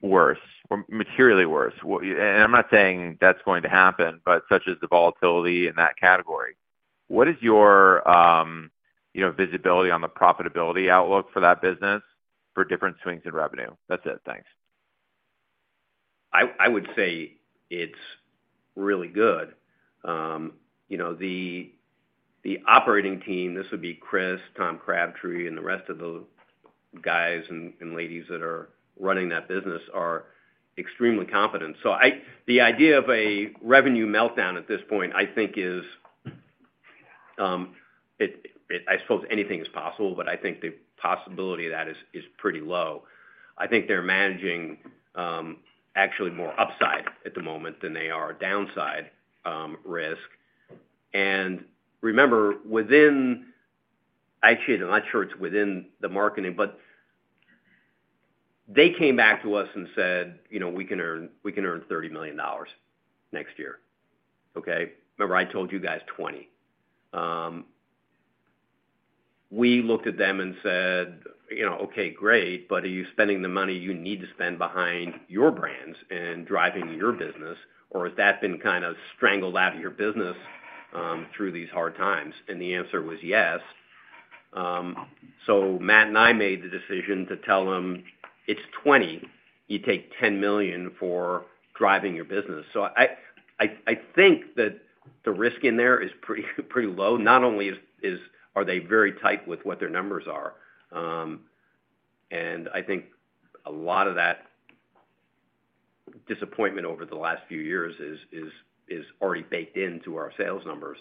worse or materially worse? And I'm not saying that's going to happen, but such as the volatility in that category. What is your visibility on the profitability outlook for that business for different swings in revenue? That's it. Thanks. I would say it's really good. The operating team, this would be Chris, Tom Crabtree, and the rest of the guys and ladies that are running that business are extremely competent. So the idea of a revenue meltdown at this point, I think, is I suppose anything is possible, but I think the possibility of that is pretty low. I think they're managing actually more upside at the moment than they are downside risk. Remember, within. Actually, I'm not sure it's within the marketing, but they came back to us and said, "We can earn $30 million next year." Okay? Remember, I told you guys $20 million. We looked at them and said, "Okay. Great. But are you spending the money you need to spend behind your brands and driving your business, or has that been kind of strangled out of your business through these hard times?" And the answer was yes. So Matt and I made the decision to tell them, "It's $20 million. You take $10 million for driving your business." So I think that the risk in there is pretty low. Not only are they very tight with what their numbers are, and I think a lot of that disappointment over the last few years is already baked into our sales numbers.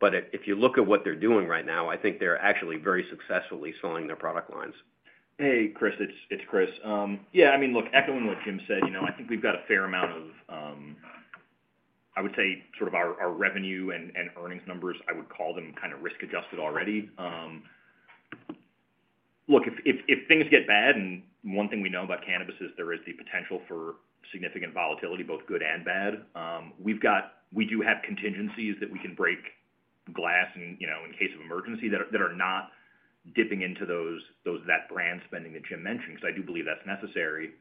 But if you look at what they're doing right now, I think they're actually very successfully selling their product lines. Hey, Chris. It's Chris. Yeah. I mean, look, echoing what Jim said, I think we've got a fair amount of, I would say, sort of our revenue and earnings numbers, I would call them kind of risk-adjusted already. Look, if things get bad, and one thing we know about cannabis is there is the potential for significant volatility, both good and bad, we do have contingencies that we can break glass in case of emergency that are not dipping into that brand spending that Jim mentioned because I do believe that's necessary.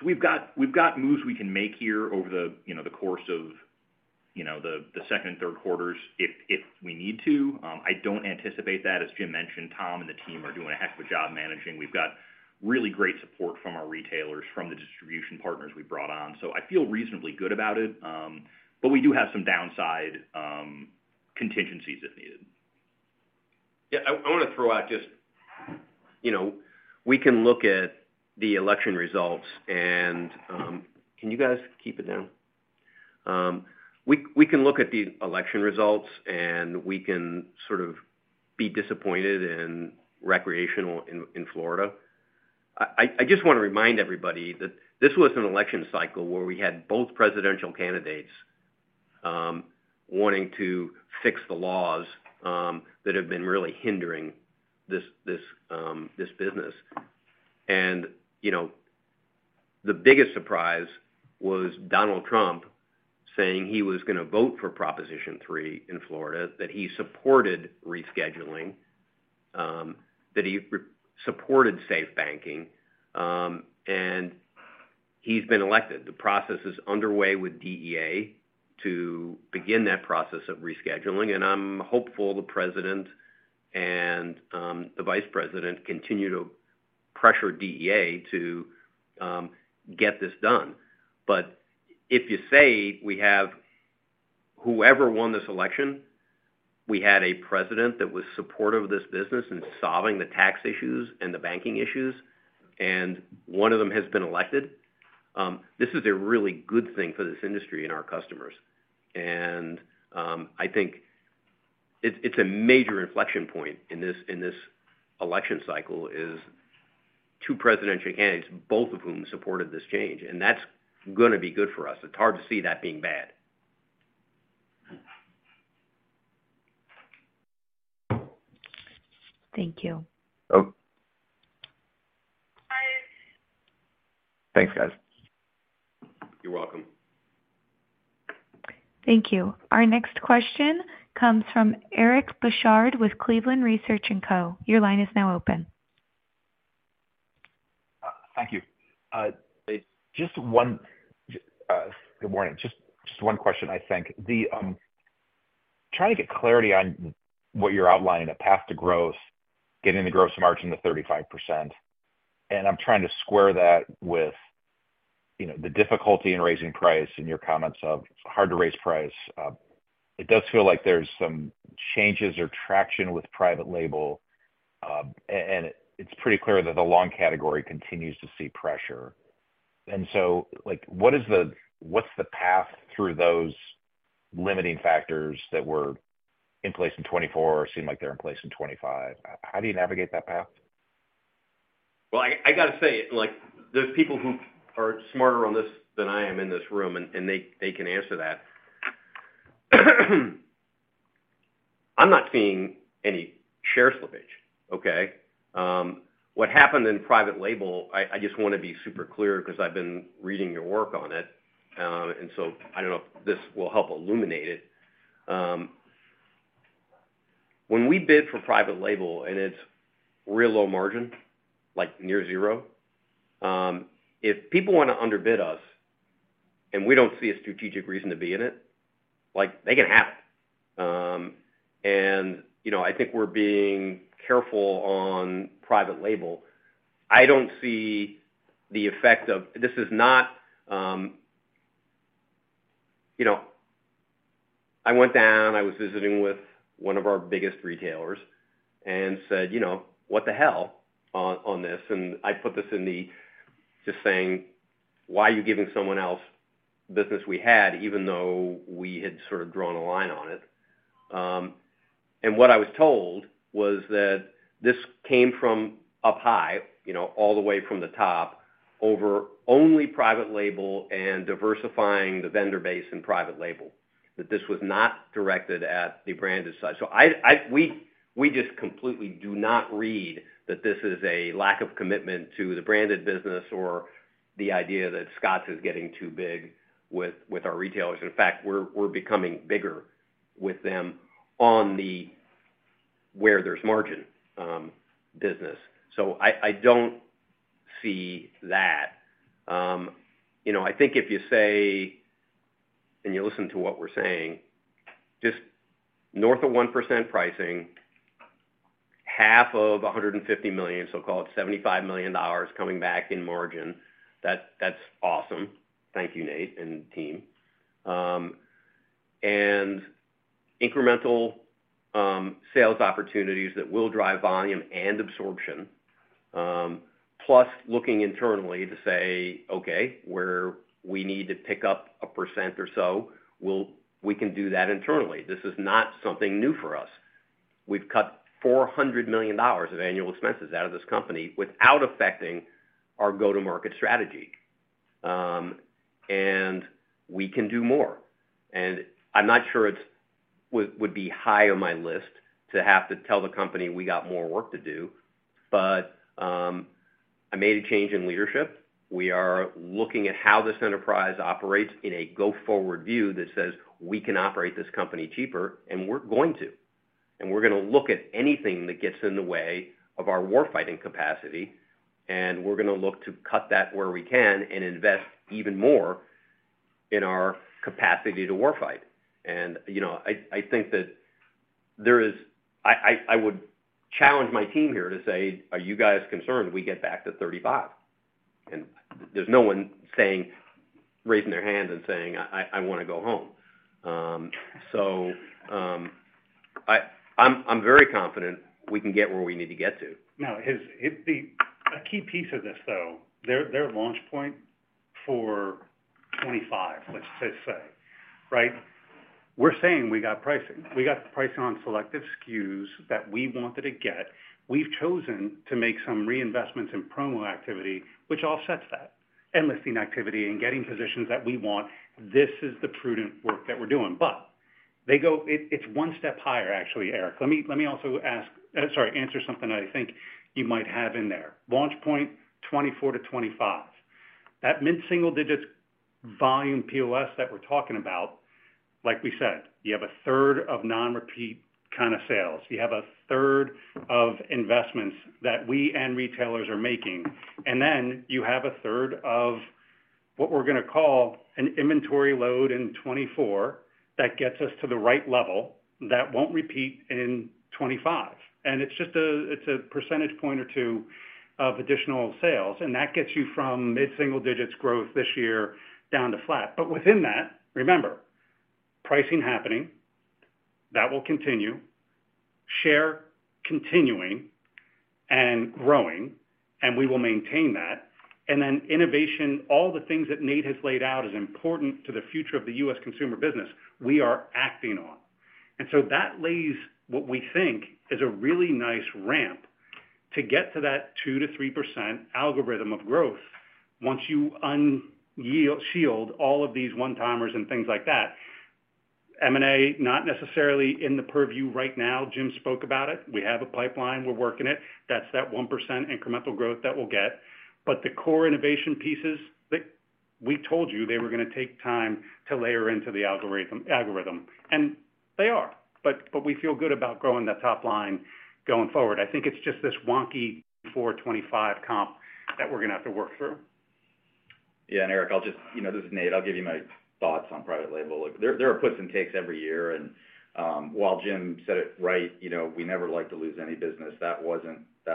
So we've got moves we can make here over the course of the second and third quarters if we need to. I don't anticipate that. As Jim mentioned, Tom and the team are doing a heck of a job managing. We've got really great support from our retailers, from the distribution partners we brought on. So I feel reasonably good about it. But we do have some downside contingencies if needed. Yeah. I want to throw out just we can look at the election results. And can you guys keep it down? We can look at the election results, and we can sort of be disappointed in recreational in Florida. I just want to remind everybody that this was an election cycle where we had both presidential candidates wanting to fix the laws that have been really hindering this business. And the biggest surprise was Donald Trump saying he was going to vote for Proposition 3 in Florida, that he supported rescheduling, that he supported safe banking. And he's been elected. The process is underway with DEA to begin that process of rescheduling. And I'm hopeful the president and the vice president continue to pressure DEA to get this done. But if you say we have whoever won this election, we had a president that was supportive of this business and solving the tax issues and the banking issues, and one of them has been elected, this is a really good thing for this industry and our customers. And I think it's a major inflection point in this election cycle is two presidential candidates, both of whom supported this change. And that's going to be good for us. It's hard to see that being bad. Thank you. Thanks, guys. You're welcome. Thank you. Our next question comes from Eric Bosshard with Cleveland Research Company. Your line is now open. Thank you. Good morning. Just one question, I think. Trying to get clarity on what you're outlining: a path to growth, getting the gross margin to 35%. And I'm trying to square that with the difficulty in raising price and your comments of it's hard to raise price. It does feel like there's some changes or traction with private label. And it's pretty clear that the lawn category continues to see pressure. And so what's the path through those limiting factors that were in place in 2024 or seem like they're in place in 2025? How do you navigate that path? Well, I got to say, there's people who are smarter on this than I am in this room, and they can answer that. I'm not seeing any share slippage. Okay? What happened in private label, I just want to be super clear because I've been reading your work on it. And so I don't know if this will help illuminate it. When we bid for private label and it's real low margin, like near zero, if people want to underbid us and we don't see a strategic reason to be in it, they can have it. And I think we're being careful on private label. I don't see the effect of this is not I went down. I was visiting with one of our biggest retailers and said, "What the hell on this?" And I put this in the just saying, "Why are you giving someone else business we had even though we had sort of drawn a line on it?" And what I was told was that this came from up high, all the way from the top, over only private label and diversifying the vendor base in private label, that this was not directed at the branded side. So we just completely do not read that this is a lack of commitment to the branded business or the idea that Scotts is getting too big with our retailers. In fact, we're becoming bigger with them on the where there's margin business. So I don't see that. I think if you say, and you listen to what we're saying, just north of 1% pricing, 75 million, so-called $75 million coming back in margin, that's awesome. Thank you, Nate and team. And incremental sales opportunities that will drive volume and absorption, plus looking internally to say, "Okay. Where we need to pick up a percent or so, we can do that internally. This is not something new for us. We've cut $400 million of annual expenses out of this company without affecting our go-to-market strategy. And we can do more." I'm not sure it would be high on my list to have to tell the company we got more work to do. I made a change in leadership. We are looking at how this enterprise operates in a go-forward view that says, "We can operate this company cheaper, and we're going to. We're going to look at anything that gets in the way of our warfighting capacity. We're going to look to cut that where we can and invest even more in our capacity to warfight." I think that. I would challenge my team here to say, "Are you guys concerned we get back to 35?" There's no one raising their hand and saying, "I want to go home." I'm very confident we can get where we need to get to. Now, a key piece of this, though, their launch point for 2025, let's just say, right? We're saying we got pricing. We got pricing on selective SKUs that we wanted to get. We've chosen to make some reinvestments in promo activity, which offsets that, and listing activity and getting positions that we want. This is the prudent work that we're doing. But it's one step higher, actually, Eric. Let me also ask, sorry, answer something that I think you might have in there. Launch point 2024 to 2025. That mid-single-digit volume POS that we're talking about, like we said, you have a third of non-repeat kind of sales. You have a third of investments that we and retailers are making. And then you have a third of what we're going to call an inventory load in 2024 that gets us to the right level that won't repeat in 2025. And it's a percentage point or two of additional sales. And that gets you from mid-single-digit growth this year down to flat. But within that, remember, pricing happening. That will continue. Share continuing and growing, and we will maintain that. And then innovation, all the things that Nate has laid out as important to the future of the U.S. consumer business, we are acting on. And so that lays what we think is a really nice ramp to get to that 2%-3% algorithm of growth once you unshield all of these one-timers and things like that. M&A not necessarily in the purview right now. Jim spoke about it. We have a pipeline. We're working it. That's that 1% incremental growth that we'll get. But the core innovation pieces that we told you they were going to take time to layer into the algorithm. And they are. But we feel good about growing that top line going forward. I think it's just this wonky 2024, 2025 comp that we're going to have to work through. Yeah. And Eric, I'll just—this is Nate. I'll give you my thoughts on private label. There are puts and takes every year. And while Jim said it right, we never like to lose any business. That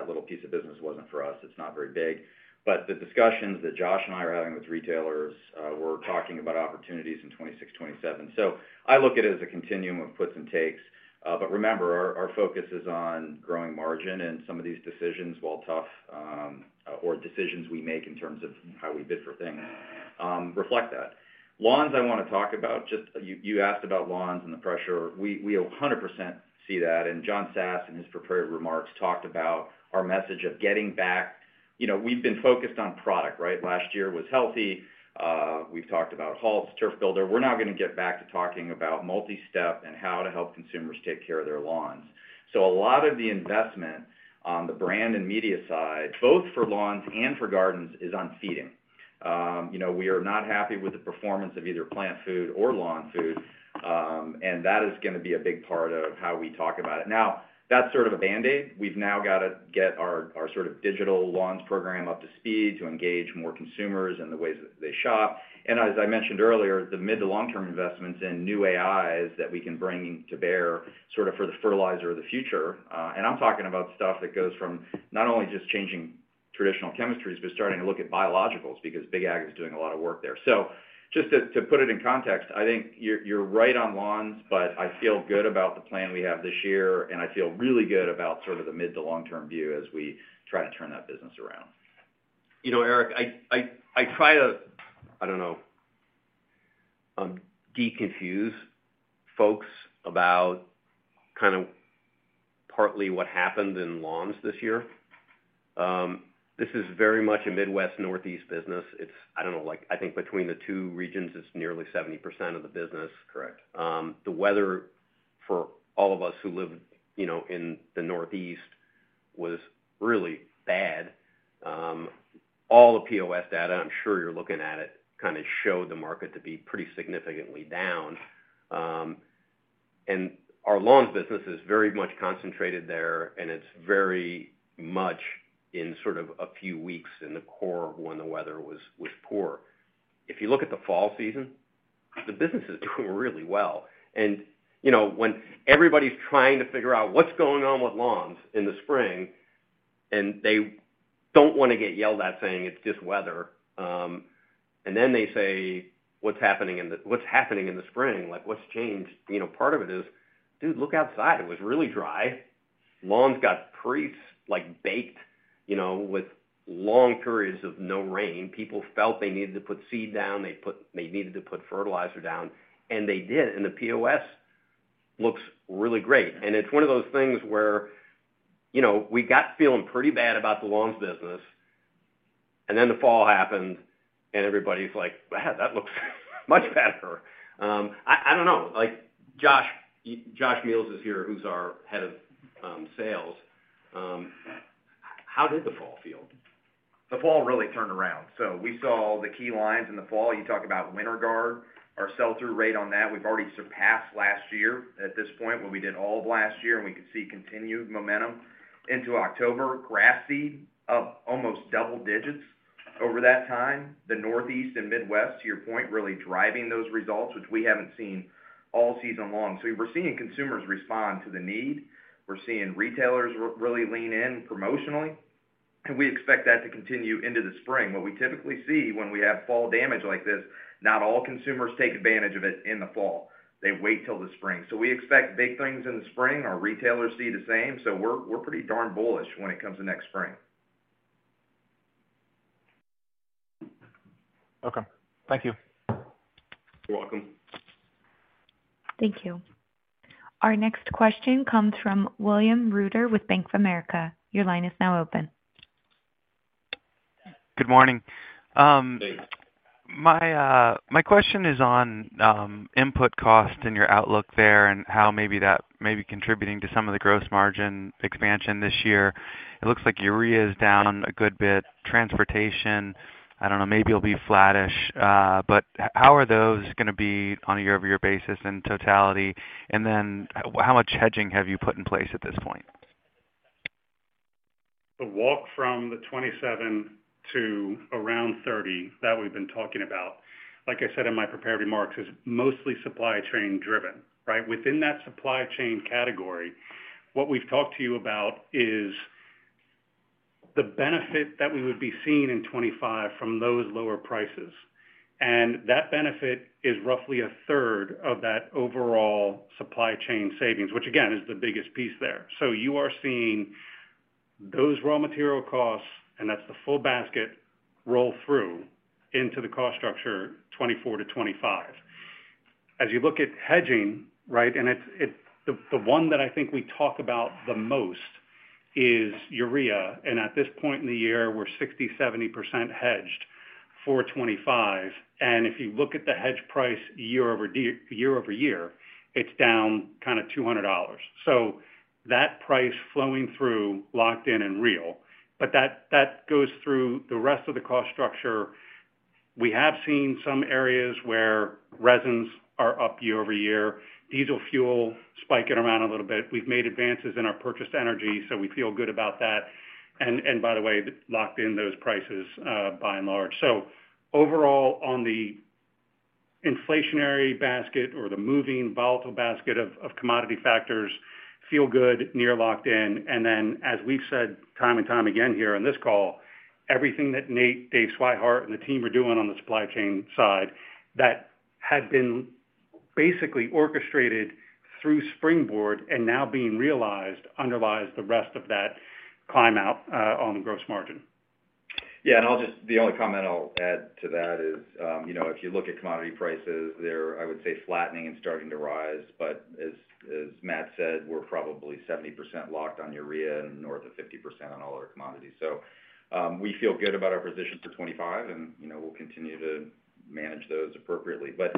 little piece of business wasn't for us. It's not very big. But the discussions that Josh and I are having with retailers, we're talking about opportunities in 2026, 2027. So I look at it as a continuum of puts and takes. But remember, our focus is on growing margin. And some of these decisions, while tough or decisions we make in terms of how we bid for things, reflect that. Lawns I want to talk about. You asked about lawns and the pressure. We 100% see that. And John Sass in his prepared remarks talked about our message of getting back. We've been focused on product, right? Last year was healthy. We've talked about Halts, Turf Builder. We're now going to get back to talking about multi-step and how to help consumers take care of their lawns. So a lot of the investment on the brand and media side, both for lawns and for gardens, is on feeding. We are not happy with the performance of either plant food or lawn food. And that is going to be a big part of how we talk about it. Now, that's sort of a Band-Aid. We've now got to get our sort of digital lawns program up to speed to engage more consumers and the ways that they shop. As I mentioned earlier, the mid-to-long-term investments in new AIs that we can bring to bear sort of for the fertilizer of the future. And I'm talking about stuff that goes from not only just changing traditional chemistries but starting to look at biologicals because Big Ag is doing a lot of work there. So just to put it in context, I think you're right on lawns, but I feel good about the plan we have this year. And I feel really good about sort of the mid-to-long-term view as we try to turn that business around. Eric, I try to deconfuse folks about kind of partly what happened in lawns this year. This is very much a Midwest, Northeast business. I don't know. I think between the two regions, it's nearly 70% of the business. Correct. The weather for all of us who live in the Northeast was really bad. All the POS data, I'm sure you're looking at it, kind of showed the market to be pretty significantly down, and our lawns business is very much concentrated there, and it's very much in sort of a few weeks in the core when the weather was poor. If you look at the fall season, the business is doing really well, and when everybody's trying to figure out what's going on with lawns in the spring, and they don't want to get yelled at saying it's just weather, and then they say, "What's happening in the spring? What's changed?" Part of it is, "Dude, look outside. It was really dry. Lawns got pretty baked with long periods of no rain. People felt they needed to put seed down. They needed to put fertilizer down. And they did. And the POS looks really great." And it's one of those things where we got feeling pretty bad about the lawns business. And then the fall happened, and everybody's like, "Well, that looks much better." I don't know. Josh Peoples is here, who's our Head of Sales. How did the fall feel? The fall really turned around. So we saw the key lines in the fall. You talk about WinterGuard, our sell-through rate on that. We've already surpassed last year at this point when we did all of last year, and we could see continued momentum into October. Grass seed up almost double digits over that time. The Northeast and Midwest, to your point, really driving those results, which we haven't seen all season long. So we're seeing consumers respond to the need. We're seeing retailers really lean in promotionally. And we expect that to continue into the spring. What we typically see when we have fall demand like this, not all consumers take advantage of it in the fall. They wait till the spring. So we expect big things in the spring. Our retailers see the same. So we're pretty darn bullish when it comes to next spring. Okay. Thank you. You're welcome. Thank you. Our next question comes from William Reuter with Bank of America. Your line is now open. Good morning. My question is on input cost and your outlook there and how maybe that may be contributing to some of the gross margin expansion this year. It looks like urea is down a good bit. Transportation, I don't know. Maybe it'll be flattish. But how are those going to be on a year-over-year basis in totality? And then how much hedging have you put in place at this point? The walk from 2027 to around 2030 that we've been talking about, like I said in my prepared remarks, is mostly supply chain-driven, right? Within that supply chain category, what we've talked to you about is the benefit that we would be seeing in 2025 from those lower prices. And that benefit is roughly a third of that overall supply chain savings, which, again, is the biggest piece there. So you are seeing those raw material costs, and that's the full basket roll through into the cost structure 2024 to 2025. As you look at hedging, right, and the one that I think we talk about the most is urea. And at this point in the year, we're 60%-70% hedged for 2025. And if you look at the hedge price year-over-year, it's down kind of $200. So that price flowing through locked in and real. But that goes through the rest of the cost structure. We have seen some areas where resins are up year-over-year. Diesel fuel spiking around a little bit. We've made advances in our purchased energy, so we feel good about that. And by the way, locked in those prices by and large. So overall, on the inflationary basket or the moving volatile basket of commodity factors, feel good, near locked in. And then, as we've said time and time again here on this call, everything that Nate, Dave Swihart, and the team are doing on the supply chain side, that had been basically orchestrated through Springboard and now being realized underlies the rest of that climb out on the gross margin. Yeah. And the only comment I'll add to that is if you look at commodity prices, they're, I would say, flattening and starting to rise. But as Matt said, we're probably 70% locked on urea and north of 50% on all other commodities. So we feel good about our position for 2025, and we'll continue to manage those appropriately. But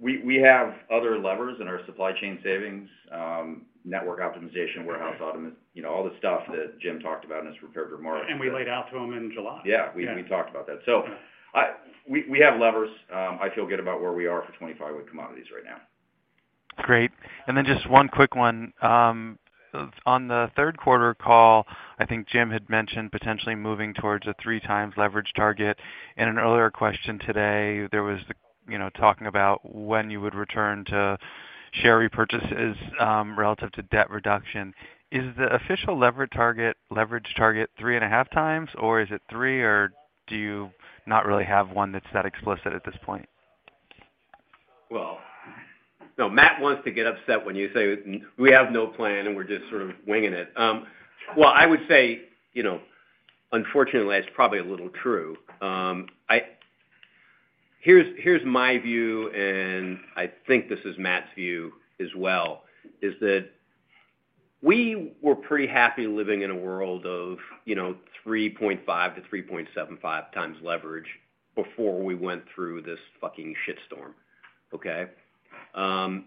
we have other levers in our supply chain savings, network optimization, warehouse automation, all the stuff that Jim talked about in his prepared remarks. And we laid out to him in July. Yeah. We talked about that. So we have levers. I feel good about where we are for 2025 with commodities right now. Great. And then just one quick one. On the third quarter call, I think Jim had mentioned potentially moving towards a three-times leverage target. In an earlier question today, there was talking about when you would return to share repurchases relative to debt reduction. Is the official leverage target three and a half times, or is it three, or do you not really have one that's that explicit at this point? Well, no. Matt wants to get upset when you say, "We have no plan," and we're just sort of winging it. Well, I would say, unfortunately, that's probably a little true. Here's my view, and I think this is Matt's view as well, is that we were pretty happy living in a world of 3.5-3.75 times leverage before we went through this fucking shitstorm, okay? I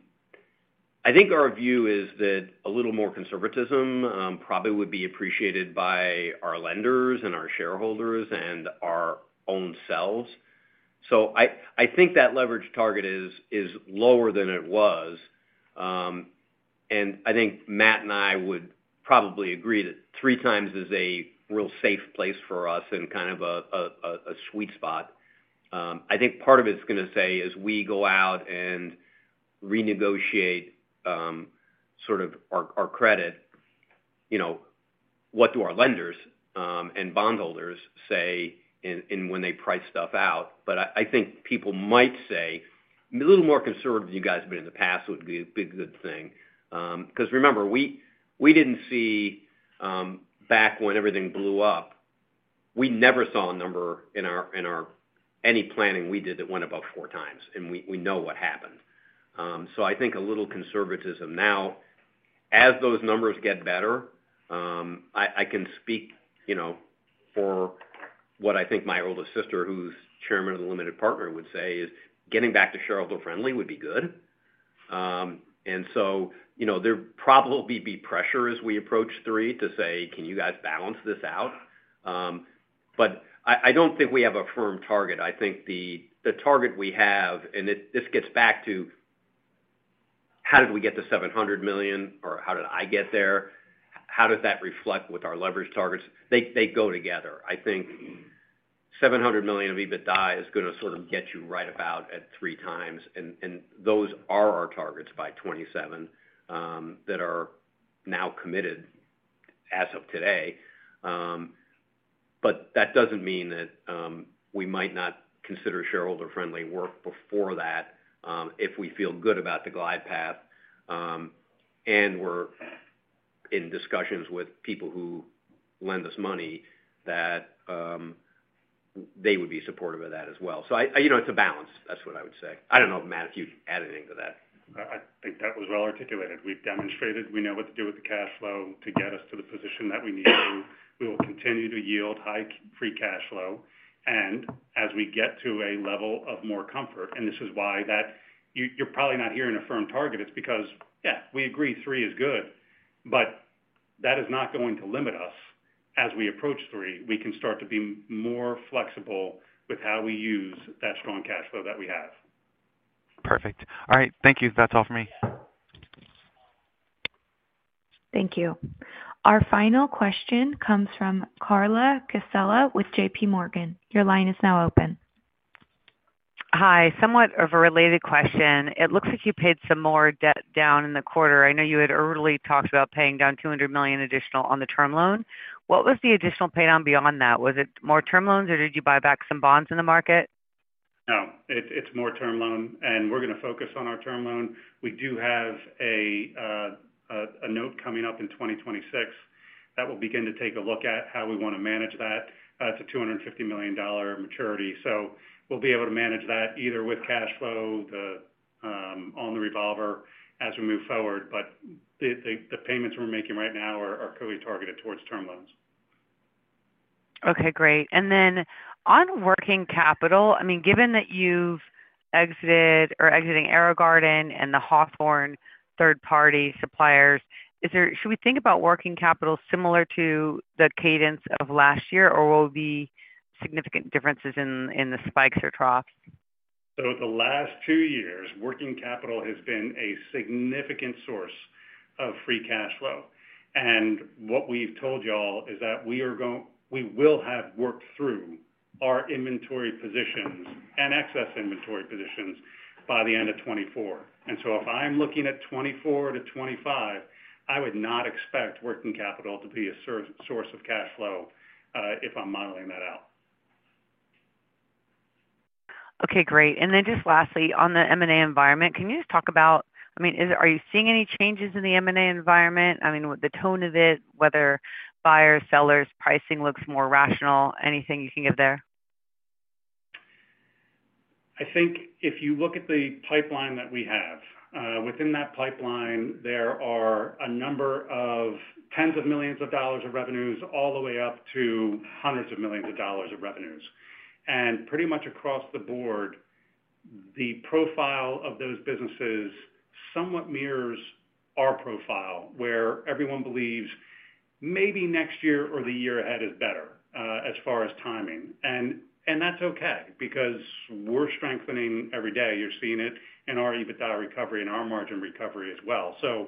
think our view is that a little more conservatism probably would be appreciated by our lenders and our shareholders and our own selves. So I think that leverage target is lower than it was. I think Matt and I would probably agree that three times is a real safe place for us and kind of a sweet spot. I think part of it's going to say, as we go out and renegotiate sort of our credit, what do our lenders and bondholders say when they price stuff out? But I think people might say, "A little more conservative than you guys have been in the past would be a good thing." Because remember, we didn't see back when everything blew up, we never saw a number in any planning we did that went above four times. And we know what happened. So I think a little conservatism now. As those numbers get better, I can speak for what I think my oldest sister, who's chairman of the limited partner, would say is getting back to shareholder-friendly would be good. And so there probably will be pressure as we approach three to say, "Can you guys balance this out?" But I don't think we have a firm target. I think the target we have, and this gets back to how did we get to $700 million or how did I get there? How does that reflect with our leverage targets? They go together. I think $700 million of EBITDA is going to sort of get you right about at three times. And those are our targets by 2027 that are now committed as of today. But that doesn't mean that we might not consider shareholder-friendly work before that if we feel good about the glide path. And we're in discussions with people who lend us money that they would be supportive of that as well. So it's a balance. That's what I would say. I don't know, Matt, if you'd add anything to that. I think that was well articulated. We've demonstrated we know what to do with the cash flow to get us to the position that we need to. We will continue to yield high free cash flow. And as we get to a level of more comfort, and this is why that you're probably not hearing a firm target, it's because, yeah, we agree three is good. But that is not going to limit us. As we approach three, we can start to be more flexible with how we use that strong cash flow that we have. Perfect. All right. Thank you. That's all for me. Thank you. Our final question comes from Carla Casella with J.P. Morgan. Your line is now open. Hi. Somewhat of a related question. It looks like you paid some more debt down in the quarter. I know you had earlier talked about paying down $200 million additional on the term loan. What was the additional paydown beyond that? Was it more term loans, or did you buy back some bonds in the market? No. It's more term loan. And we're going to focus on our term loan. We do have a note coming up in 2026 that will begin to take a look at how we want to manage that. It's a $250 million maturity. So we'll be able to manage that either with cash flow on the revolver as we move forward. But the payments we're making right now are clearly targeted towards term loans. Okay. Great. Then on working capital, I mean, given that you've exited or exiting AeroGarden and the Hawthorne third-party suppliers, should we think about working capital similar to the cadence of last year, or will there be significant differences in the spikes or troughs? The last two years, working capital has been a significant source of free cash flow. What we've told y'all is that we will have worked through our inventory positions and excess inventory positions by the end of 2024. So if I'm looking at 2024 to 2025, I would not expect working capital to be a source of cash flow if I'm modeling that out. Okay. Great. Then just lastly, on the M&A environment, can you just talk about, I mean, are you seeing any changes in the M&A environment? I mean, the tone of it, whether buyers, sellers, pricing looks more rational, anything you can give there? I think if you look at the pipeline that we have, within that pipeline, there are a number of tens of millions of dollars of revenues all the way up to hundreds of millions of dollars of revenues. Pretty much across the board, the profile of those businesses somewhat mirrors our profile, where everyone believes maybe next year or the year ahead is better as far as timing. That's okay because we're strengthening every day. You're seeing it in our EBITDA recovery and our margin recovery as well. So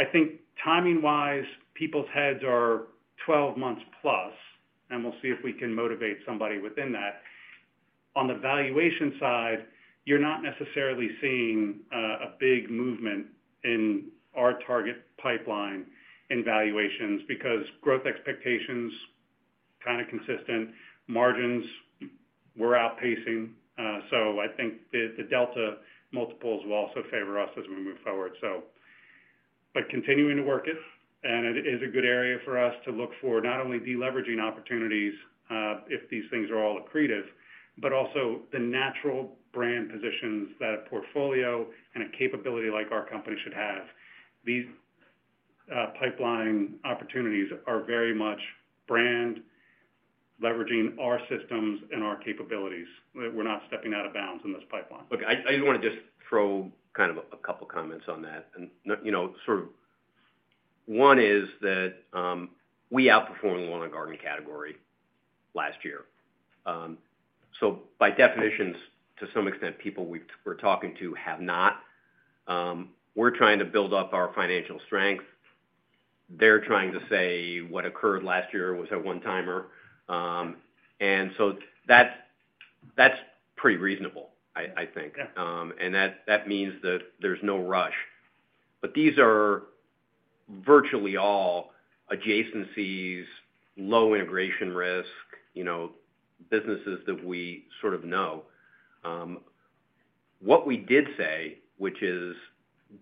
I think timing-wise, people's heads are 12 months plus, and we'll see if we can motivate somebody within that. On the valuation side, you're not necessarily seeing a big movement in our target pipeline in valuations because growth expectations are kind of consistent. Margins were outpacing. So I think the delta multiples will also favor us as we move forward. But continuing to work it, and it is a good area for us to look for not only deleveraging opportunities if these things are all accretive, but also the natural brand positions that a portfolio and a capability like our company should have. These pipeline opportunities are very much brand leveraging our systems and our capabilities. We're not stepping out of bounds in this pipeline. Okay. I just want to just throw kind of a couple of comments on that. And sort of one is that we outperformed the lawn and garden category last year. So by definition, to some extent, people we're talking to have not. We're trying to build up our financial strength. They're trying to say what occurred last year was a one-timer, and so that's pretty reasonable, I think, and that means that there's no rush, but these are virtually all adjacencies, low integration risk, businesses that we sort of know. What we did say, which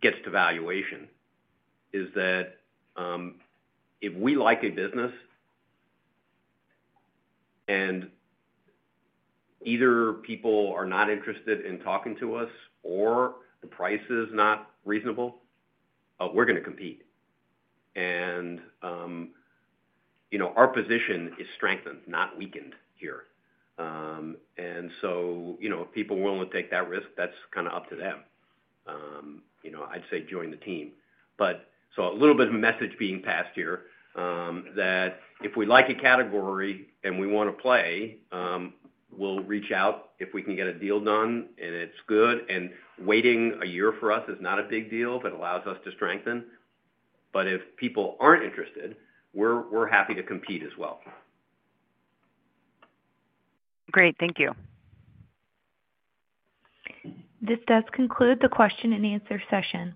gets to valuation, is that if we like a business and either people are not interested in talking to us or the price is not reasonable, we're going to compete, and our position is strengthened, not weakened here, and so if people are willing to take that risk, that's kind of up to them. I'd say join the team, so a little bit of a message being passed here that if we like a category and we want to play, we'll reach out if we can get a deal done, and it's good. And waiting a year for us is not a big deal if it allows us to strengthen. But if people aren't interested, we're happy to compete as well. Great. Thank you. This does conclude the question-and-answer session.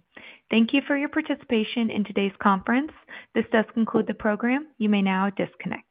Thank you for your participation in today's conference. This does conclude the program. You may now disconnect.